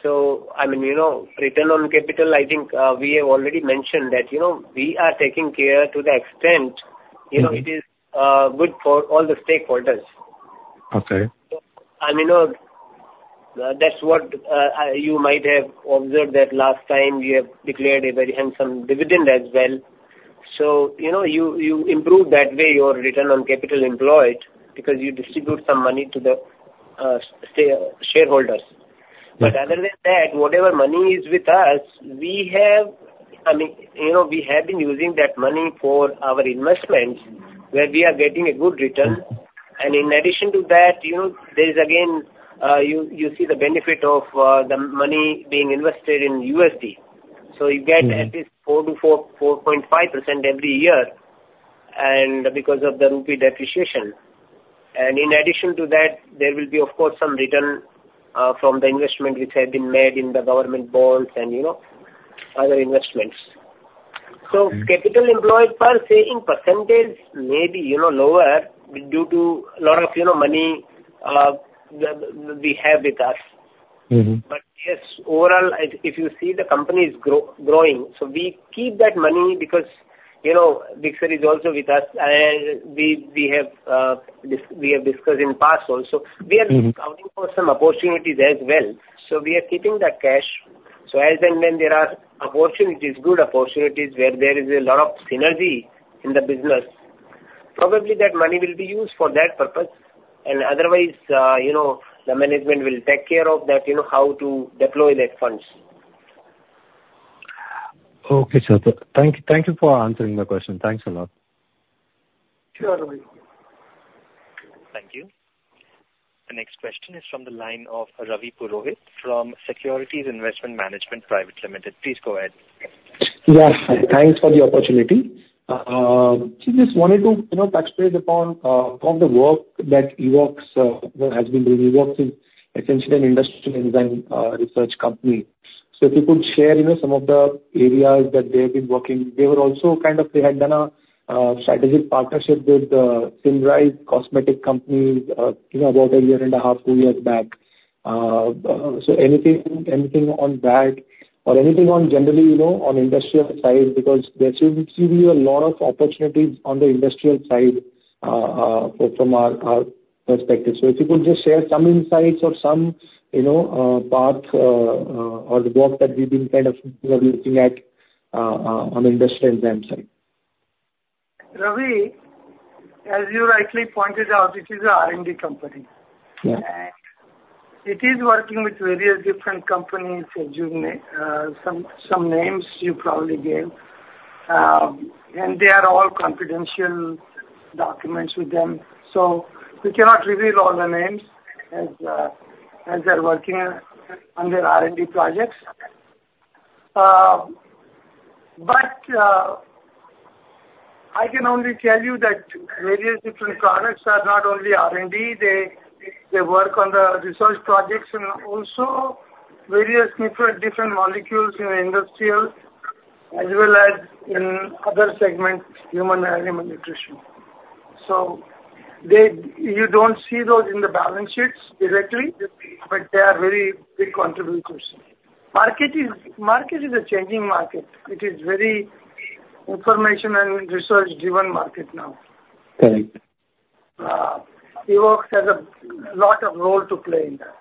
So I mean, you know, return on capital, I think, we have already mentioned that, you know, we are taking care to the extent. You know, it is good for all the stakeholders. Okay. I mean, that's what you might have observed that last time, we have declared a very handsome dividend as well. So, you know, you improve that way, your Return on Capital Employed, because you distribute some money to the shareholders. Other than that, whatever money is with us, we have I mean, you know, we have been using that money for our investments, where we are getting a good return. In addition to that, you know, there is again, you see the benefit of the money being invested in USD. You get at least 4 to 4.5% every year, and because of the Rupee depreciation. In addition to that, there will be, of course, some return from the investment which had been made in the government bonds and, you know, other investments. Capital employed per se in percentage may be, you know, lower due to a lot of, you know, money that we have with us. But yes, overall, if you see the company is growing, so we keep that money because, you know, Vikram is also with us, and we have discussed in past also. We are counting for some opportunities as well, so we are keeping that cash. So as and when there are opportunities, good opportunities, where there is a lot of synergy in the business. Probably that money will be used for that purpose, and otherwise, you know, the management will take care of that, you know, how to deploy that funds. Okay, sir. Thank you for answering my question. Thanks a lot. Sure, Ravi. Thank you. The next question is from the line of Ravi Purohit from Securities Investment Management Private Limited. Please go ahead. Yeah, thanks for the opportunity. Just wanted to, you know, touch base upon on the work that Evoxx, you know, has been doing. Evoxx is essentially an industrial enzyme research company. So if you could share, you know, some of the areas that they have been working. They were also kind of... They had done a strategic partnership with Symrise cosmetic company, you know, about a year and a half, two years back. So anything, anything on that, or anything on generally, you know, on industrial side? Because there should still be a lot of opportunities on the industrial side from our our perspective. So if you could just share some insights or some, you know, path or the work that we've been kind of, you know, looking at on industrial enzyme side. Ravi, as you rightly pointed out, it is a R&D company. Yeah. It is working with various different companies, as you know, some names you probably gave. They are all confidential documents with them, so we cannot reveal all the names as they're working on their R&D projects. But I can only tell you that various different products are not only R&D. They work on the research projects and also various different molecules in industrials, as well as in other segments, human and Animal Nutrition. So they - you don't see those in the balance sheets directly, but they are very big contributors. Market is a changing market. It is very information and research-driven market now. Right. Evoxx has a lot of role to play in that.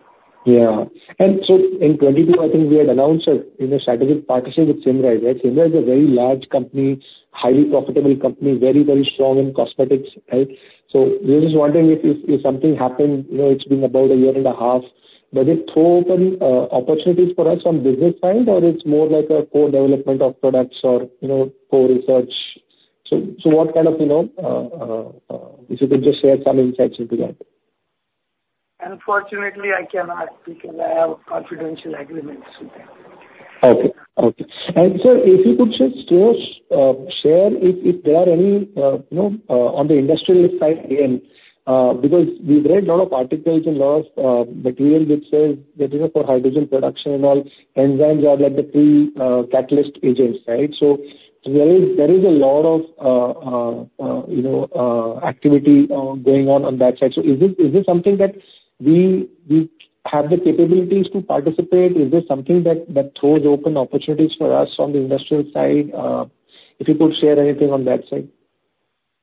Yeah. And so in 2022, I think we had announced a, you know, strategic partnership with Symrise, right? Symrise is a very large company, highly profitable company, very, very strong in cosmetics, right? So we're just wondering if something happened, you know, it's been about a year and a half, does it throw open opportunities for us from business side, or it's more like a co-development of products or, you know, co-research? So what kind of, you know, if you could just share some insights into that. Unfortunately, I cannot speak as I have confidential agreements with them. Okay. Okay. And sir, if you could just close, share if, if there are any, you know, on the industrial side again, because we read a lot of articles and a lot of material which says that, you know, for hydrogen production and all, enzymes are like the pre-catalyst agents, right? So there is, there is a lot of, you know, activity going on on that side. So is this, is this something that we, we have the capabilities to participate? Is this something that, that throws open opportunities for us on the industrial side? If you could share anything on that side.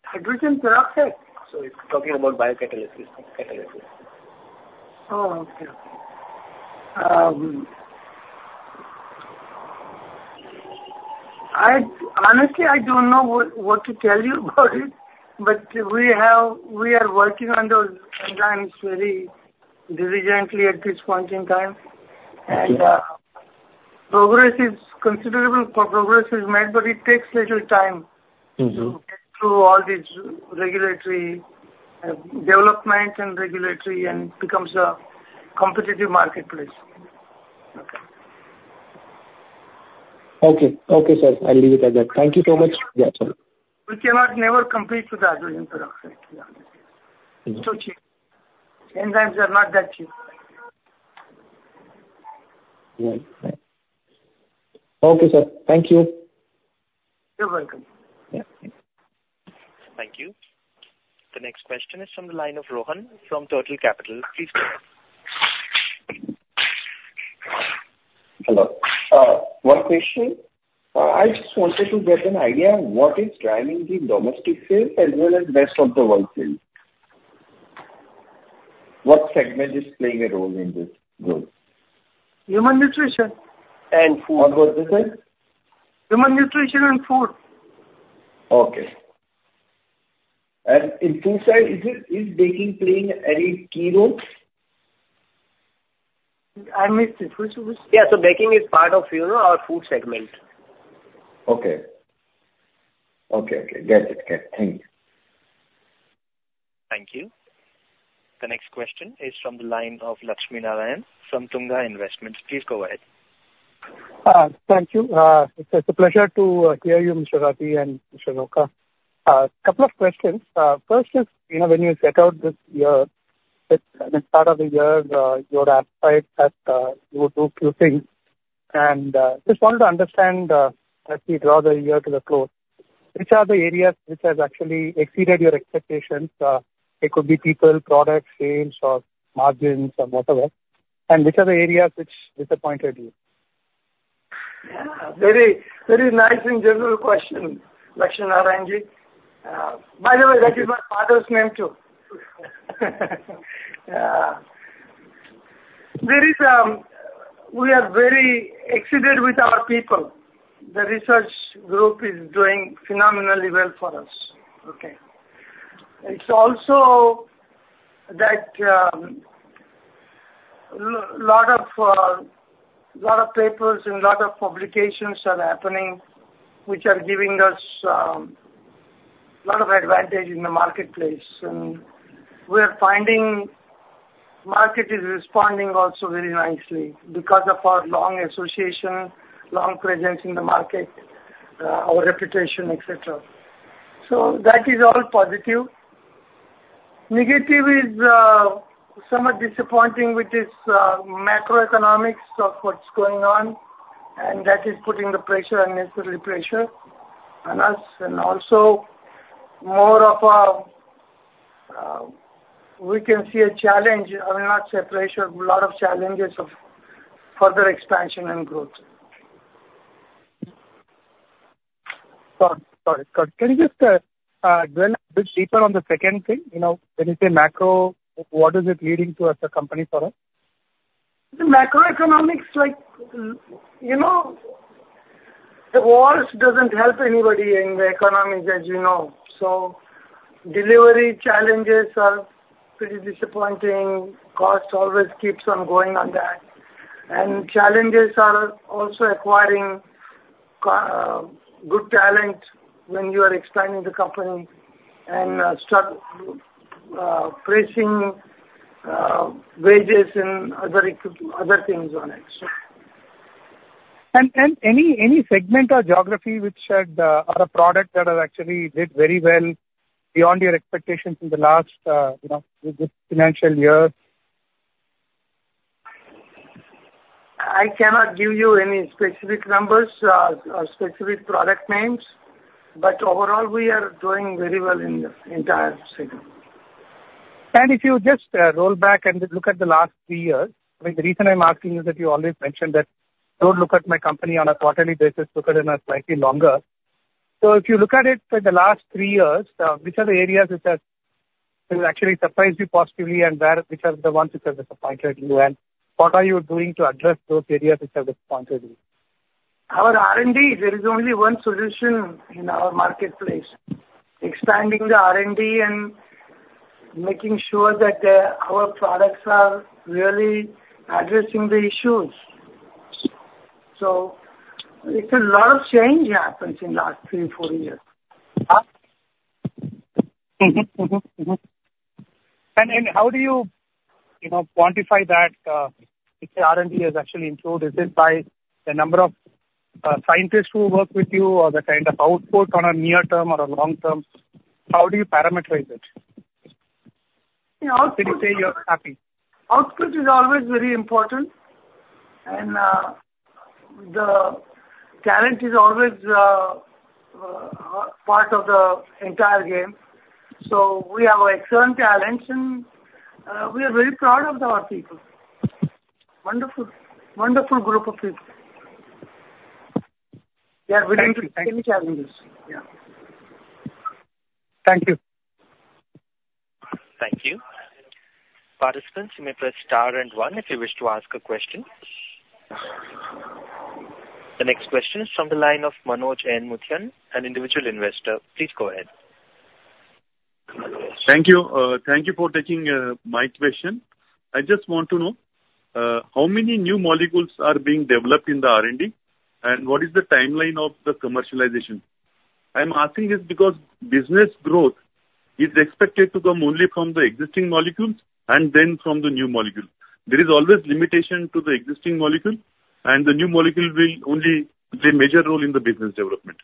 Hydrogen peroxide? Sir, he's talking about biocatalysis, catalysis. Oh, okay. Honestly, I don't know what to tell you about it, but we have, we are working on those enzymes very diligently at this point in time. Okay. Progress is considerable progress is made, but it takes little time to get through all these regulatory, development and regulatory, and becomes a competitive marketplace. Okay. Okay. Okay, sir, I'll leave it at that. Thank you so much. Yeah, sure. We cannot never compete with the hydrogen peroxide. Enzymes are not that cheap. Yeah. Okay, sir. Thank you. You're welcome. Yeah. Thank you. The next question is from the line of Rohan from Turtle Capital. Please go ahead. Hello. One question. I just wanted to get an idea of what is driving the domestic sales as well as rest of the world sales. What segment is playing a role in this growth? Human Nutrition and food. What was this, sir? Human Nutrition and food. Okay. And in food side, is it, is baking playing any key role? I missed it. What was. Yeah, so baking is part of, you know, our food segment. Okay. Okay, okay, got it. Okay, thank you. Thank you. The next question is from the line of Lakshmi Narayan from Tunga Investments. Please go ahead. Thank you. It's a pleasure to hear you, Mr. Rathi and Mr. Rauka. Couple of questions. First is, you know, when you set out this year, with the start of the year, your appetite that you would do few things. And just wanted to understand, as we draw the year to the close, which are the areas which has actually exceeded your expectations? It could be people, products, sales or margins or whatever. And which are the areas which disappointed you? Yeah, very, very nice and general question, Lakshmi Narayan Ji. By the way, that is my father's name, too. There is, we are very excited with our people. The research group is doing phenomenally well for us, okay? It's also that, lot of papers and lot of publications are happening, which are giving us, lot of advantage in the marketplace. And we are finding market is responding also very nicely because of our long association, long presence in the market, our reputation, et cetera. So that is all positive. Negative is, somewhat disappointing with this, macroeconomics of what's going on, and that is putting the pressure, unnecessary pressure on us, and also more of a, we can see a challenge. I will not say pressure, a lot of challenges of further expansion and growth. Sorry, sorry. Can you just drill a bit deeper on the second thing? You know, when you say macro, what is it leading to as a company for us? The macroeconomics, like, you know, the wars doesn't help anybody in the economics, as you know. So delivery challenges are pretty disappointing. Cost always keeps on going on that. And challenges are also acquiring good talent when you are expanding the company and start pricing wages and other things on it. Any segment or geography which had or a product that have actually did very well beyond your expectations in the last, you know, this financial year? I cannot give you any specific numbers, or specific product names, but overall, we are doing very well in the entire segment. And if you just, roll back and look at the last three years, I mean, the reason I'm asking you is that you always mentioned that, "Don't look at my company on a quarterly basis, look at it in a slightly longer." So if you look at it for the last three years, which are the areas which has, which actually surprised you positively, and where, which are the ones which have disappointed you, and what are you doing to address those areas which have disappointed you? Our R&D, there is only one solution in our marketplace. Expanding the R&D and making sure that our products are really addressing the issues. So it's a lot of change happens in last 3-4 years. And how do you, you know, quantify that if the R&D has actually improved? Is it by the number of scientists who work with you or the kind of output on a near term or a long term? How do you parameterize it? You know, output. Did you say you are happy? Output is always very important, and the talent is always part of the entire game. So we have excellent talents, and we are very proud of our people. Wonderful, wonderful group of people. They are willing to. Thank you. Take any challenges. Yeah. Thank you. Thank you. Participants, you may press star and one if you wish to ask a question. The next question is from the line of Manoj N. Muthan, an individual investor. Please go ahead. Thank you. Thank you for taking my question. I just want to know how many new molecules are being developed in the R&D, and what is the timeline of the commercialization? I'm asking this because business growth is expected to come only from the existing molecules and then from the new molecules. There is always limitation to the existing molecule, and the new molecule will only play a major role in the business development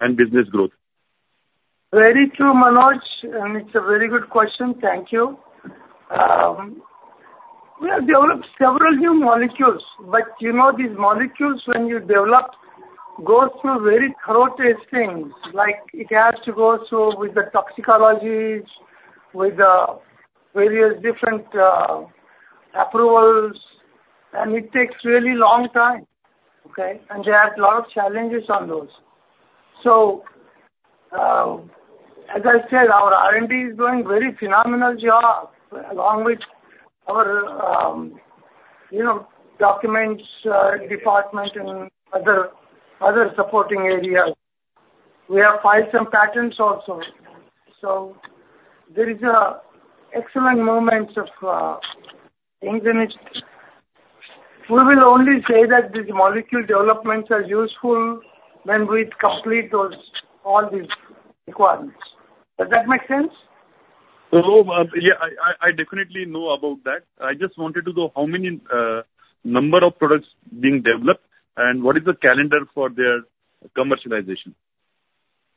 and business growth. Very true, Manoj, and it's a very good question. Thank you. We have developed several new molecules, but you know, these molecules, when you develop, go through very thorough testing. Like, it has to go through with the toxicology, with the various different approvals, and it takes really long time, okay? And there are a lot of challenges on those. So, as I said, our R&D is doing very phenomenal job, along with our, you know, documentation department and other supporting areas. We have filed some patents also. So there is excellent momentum in the next... We will only say that these molecule developments are useful when we complete those, all these requirements. Does that make sense? So, yeah, I definitely know about that. I just wanted to know how many number of products being developed and what is the calendar for their commercialization?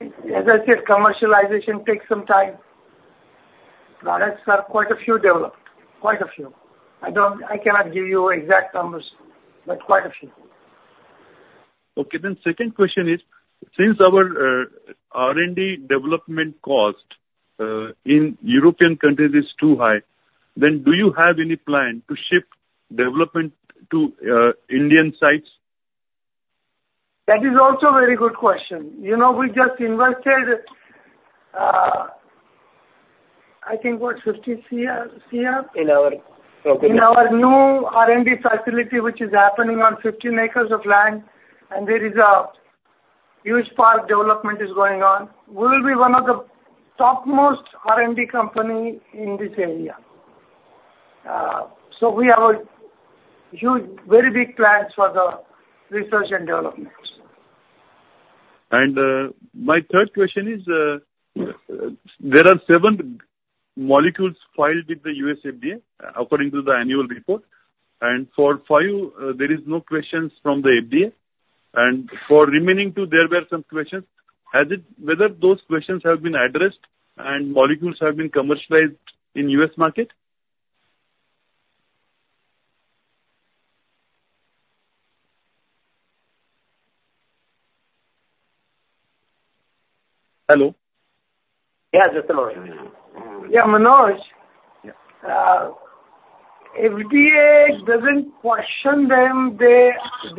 As I said, commercialization takes some time. Products are quite a few developed, quite a few. I cannot give you exact numbers, but quite a few. Okay, then second question is, since our R&D development cost in European countries is too high, then do you have any plan to shift development to Indian sites? That is also a very good question. You know, we just invested, I think about 50 crore? In our. In our new R&D facility, which is happening on 15 acres of land, and there is a huge park development is going on. We will be one of the topmost R&D company in this area. So we have a huge, very big plans for the research and development. My third question is, there are 7 molecules filed with the U.S. FDA, according to the annual report, and for 5, there is no questions from the FDA, and for remaining 2, there were some questions. Has it whether those questions have been addressed and molecules have been commercialized in U.S. market? Hello? Yeah, just a moment. Yeah, Manoj. Yeah. FDA doesn't question them. They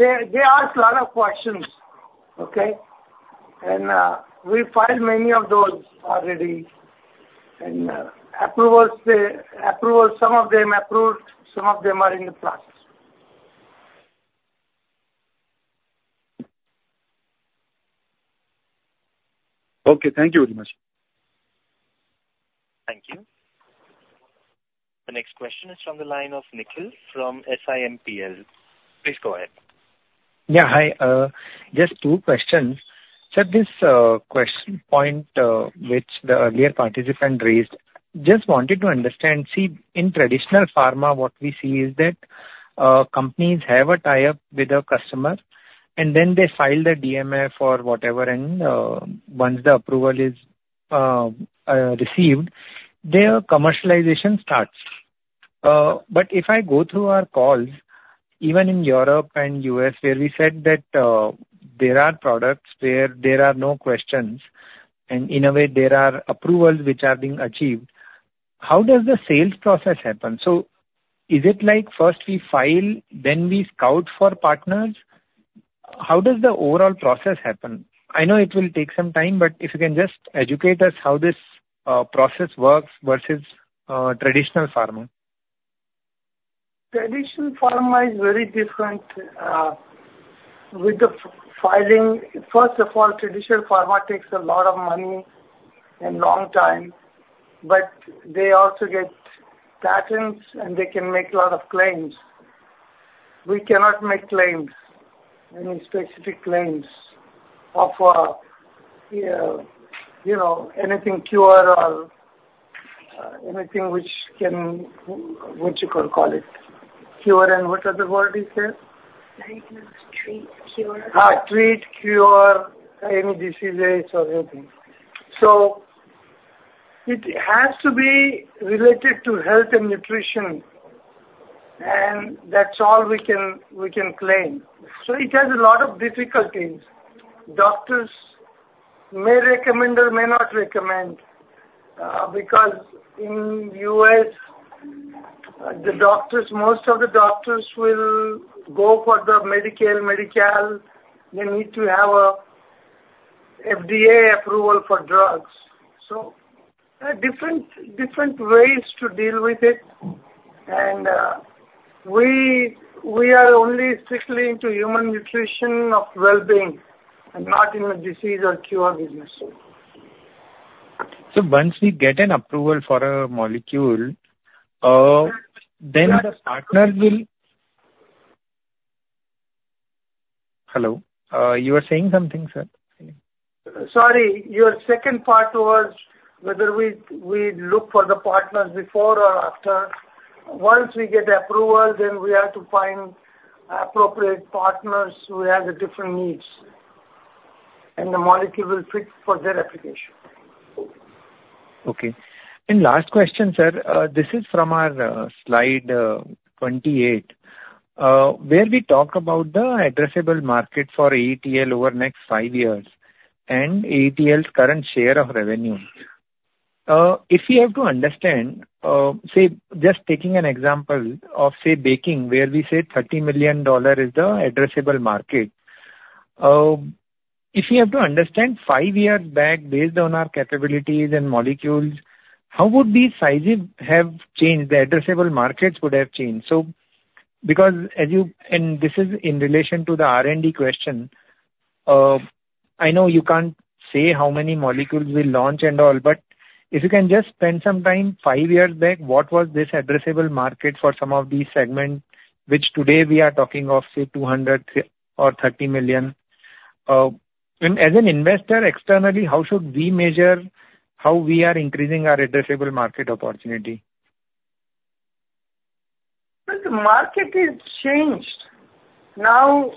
ask a lot of questions, okay? And we filed many of those already, and approvals, the approvals, some of them approved, some of them are in the process. Okay. Thank you very much. Thank you. The next question is from the line of Nikhil from SIMPL. Please go ahead. Yeah, hi. Just two questions. So this question point, which the earlier participant raised, just wanted to understand. See, in traditional Pharma, what we see is that companies have a tie-up with a customer, and then they file the DMF or whatever, and once the approval is received, their commercialization starts. But if I go through our calls, even in Europe and U.S., where we said that there are products where there are no questions, and in a way there are approvals which are being achieved, how does the sales process happen? So is it like first we file, then we scout for partners? How does the overall process happen? I know it will take some time, but if you can just educate us how this process works versus traditional Pharma. Traditional Pharma is very different with the filing. First of all, traditional Pharma takes a lot of money and long time, but they also get patents, and they can make a lot of claims. We cannot make claims, any specific claims of, you know, anything cure or anything which can, what you can call it, cure and what other word is there? Diagnosis, treat, cure. Treat, cure any diseases or anything. So it has to be related to health and nutrition, and that's all we can, we can claim. So it has a lot of difficulties. Doctors may recommend or may not recommend, because in U.S., the doctors, most of the doctors will go for the Medicare, Medi-Cal. They need to have a FDA approval for drugs. So different, different ways to deal with it. And, we, we are only strictly into Human Nutrition of well-being and not in the disease or cure business. So once we get an approval for a molecule, then the partner will... Hello? You were saying something, sir. Sorry, your second part was whether we look for the partners before or after. Once we get the approval, then we have to find appropriate partners who have the different needs, and the molecule will fit for their application. Okay. And last question, sir. This is from our slide 28, where we talk about the addressable market for AETL over the next five years and AETL's current share of revenue. If you have to understand, say, just taking an example of, say, baking, where we say $30 million is the addressable market. If you have to understand five years back, based on our capabilities and molecules, how would these sizes have changed, the addressable markets would have changed? So, because as you... And this is in relation to the R&D question. I know you can't say how many molecules will launch and all, but if you can just spend some time, five years back, what was this addressable market for some of these segments, which today we are talking of, say, $200 million or $30 million? As an investor externally, how should we measure how we are increasing our addressable market opportunity? Well, the market is changed. Now,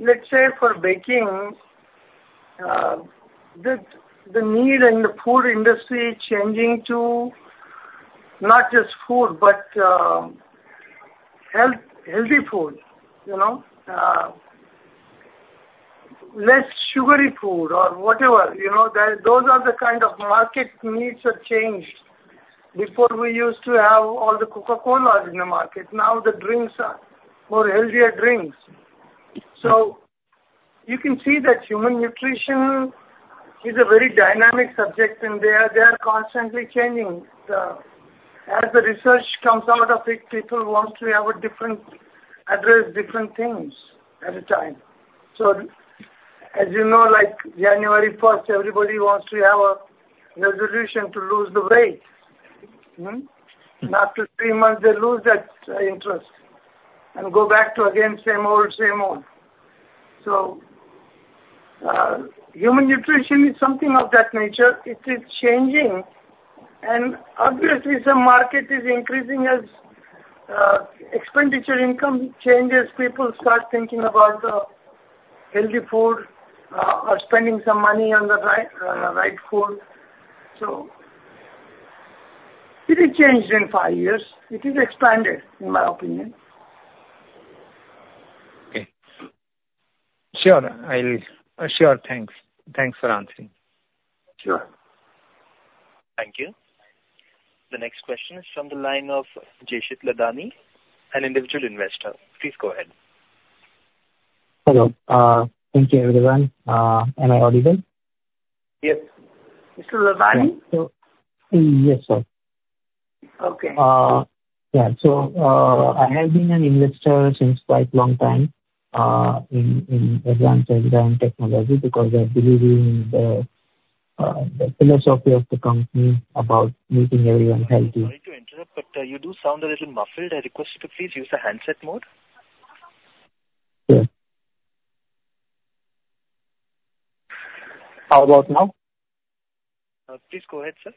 let's say for baking, the need and the food industry changing to not just food, but health, healthy food, you know, less sugary food or whatever, you know, that those are the kind of market needs are changed. Before we used to have all the Coca-Colas in the market, now the drinks are more healthier drinks. So you can see that Human Nutrition is a very dynamic subject, and they are constantly changing. As the research comes out of it, people want to have a different aspects, different things at a time. So as you know, like January first, everybody wants to have a resolution to lose the weight. Mm-hmm. And after three months, they lose that interest and go back to again, same old, same old. So, Human Nutrition is something of that nature. It is changing, and obviously some market is increasing as expenditure income changes, people start thinking about the healthy food, or spending some money on the right, right food. So it has changed in five years. It is expanded, in my opinion. Okay. Sure. Sure. Thanks. Thanks for answering. Sure. Thank you. The next question is from the line of Jeshit Ladani, an individual investor. Please go ahead. Hello, thank you, everyone. Am I audible? Yes. Mr. Ladani? Yes, sir. Okay. Yeah. So, I have been an investor since quite long time in Advanced Enzyme Technologies, because I believe in the philosophy of the company about making everyone healthy. Sorry to interrupt, but, you do sound a little muffled. I request you to please use the handset mode. Sure. How about now? Please go ahead, sir.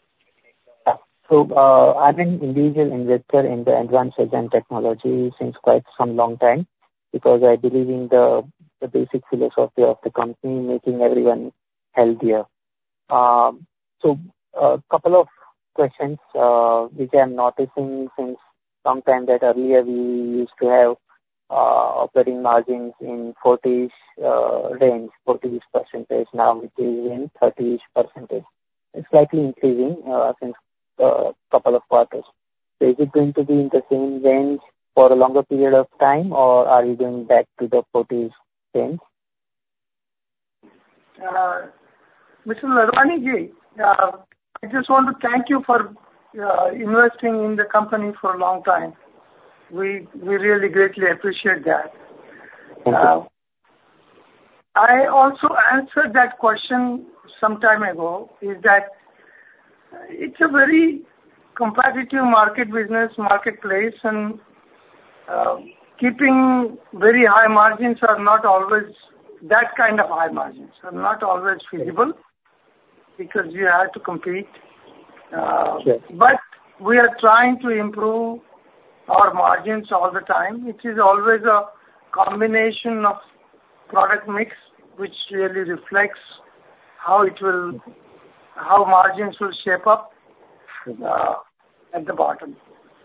So, I've been individual investor in the Advanced Enzyme Technologies since quite some long time, because I believe in the basic philosophy of the company, making everyone healthier. So a couple of questions, which I'm noticing since sometime that earlier we used to have operating margins in 40-ish range, 40-ish%. Now it is in 30-ish%. It's slightly increasing since couple of quarters. So is it going to be in the same range for a longer period of time, or are you going back to the 40 range? Mr. Ladani, I just want to thank you for investing in the company for a long time. We really greatly appreciate that. Thank you. I also answered that question some time ago, is that it's a very competitive market business, marketplace, and, keeping very high margins are not always that kind of high margins, are not always feasible because you have to compete. Sure. But we are trying to improve our margins all the time. It is always a combination of product mix, which really reflects how it will, how margins will shape up, at the bottom.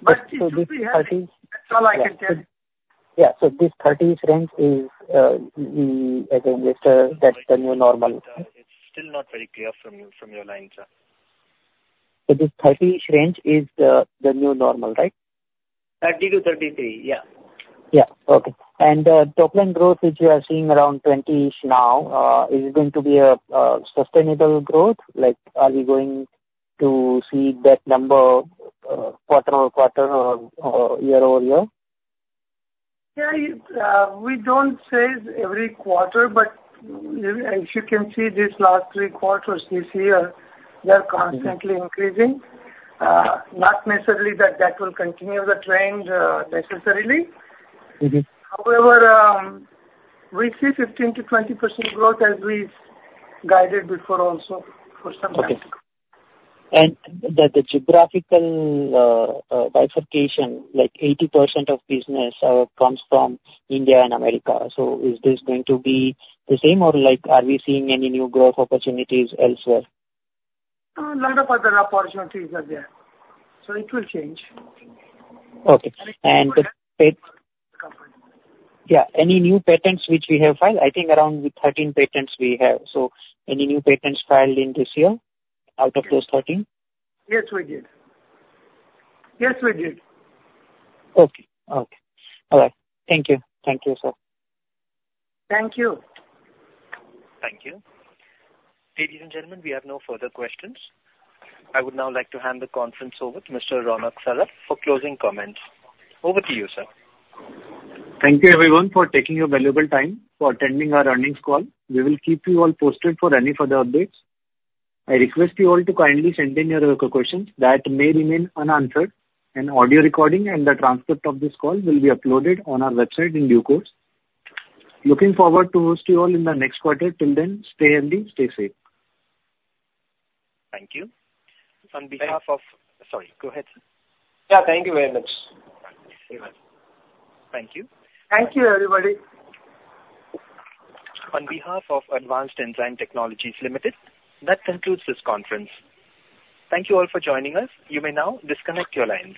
So this thirty. It will be. That's all I can say. Yeah. So this 30 range is, we as investor, that's the new normal. It's still not very clear from you, from your line, sir. So this 30-ish range is the new normal, right? 30-33, yeah. Yeah. Okay. The top line growth, which you are seeing around 20-ish now, is it going to be a sustainable growth? Like, are we going to see that number quarter-on-quarter or year-over-year? Yeah, it, we don't say every quarter, but as you can see, these last three quarters this year, they are constantly increasing. Not necessarily that that will continue the trend, necessarily. However, we see 15%-20% growth as we've guided before, also for some time. Okay. And the geographical bifurcation, like 80% of business comes from India and America. So is this going to be the same or like, are we seeing any new growth opportunities elsewhere? Lot of other opportunities are there, so it will change. Okay. Company. Yeah, any new patents which we have filed? I think around with 13 patents we have. So any new patents filed in this year, out of those 13? Yes, we did. Yes, we did. Okay. Okay. All right. Thank you. Thank you, sir. Thank you. Thank you. Ladies and gentlemen, we have no further questions. I would now like to hand the conference over to Mr. Ronak Saraf for closing comments. Over to you, sir. Thank you, everyone, for taking your valuable time for attending our earnings call. We will keep you all posted for any further updates. I request you all to kindly send in your questions that may remain unanswered. An audio recording and the transcript of this call will be uploaded on our website in due course. Looking forward to host you all in the next quarter. Till then, stay healthy, stay safe. Thank you. On behalf of- Sorry, go ahead, sir. Yeah, thank you very much. Thank you. Thank you, everybody. On behalf of Advanced Enzyme Technologies Limited, that concludes this conference. Thank you all for joining us. You may now disconnect your lines.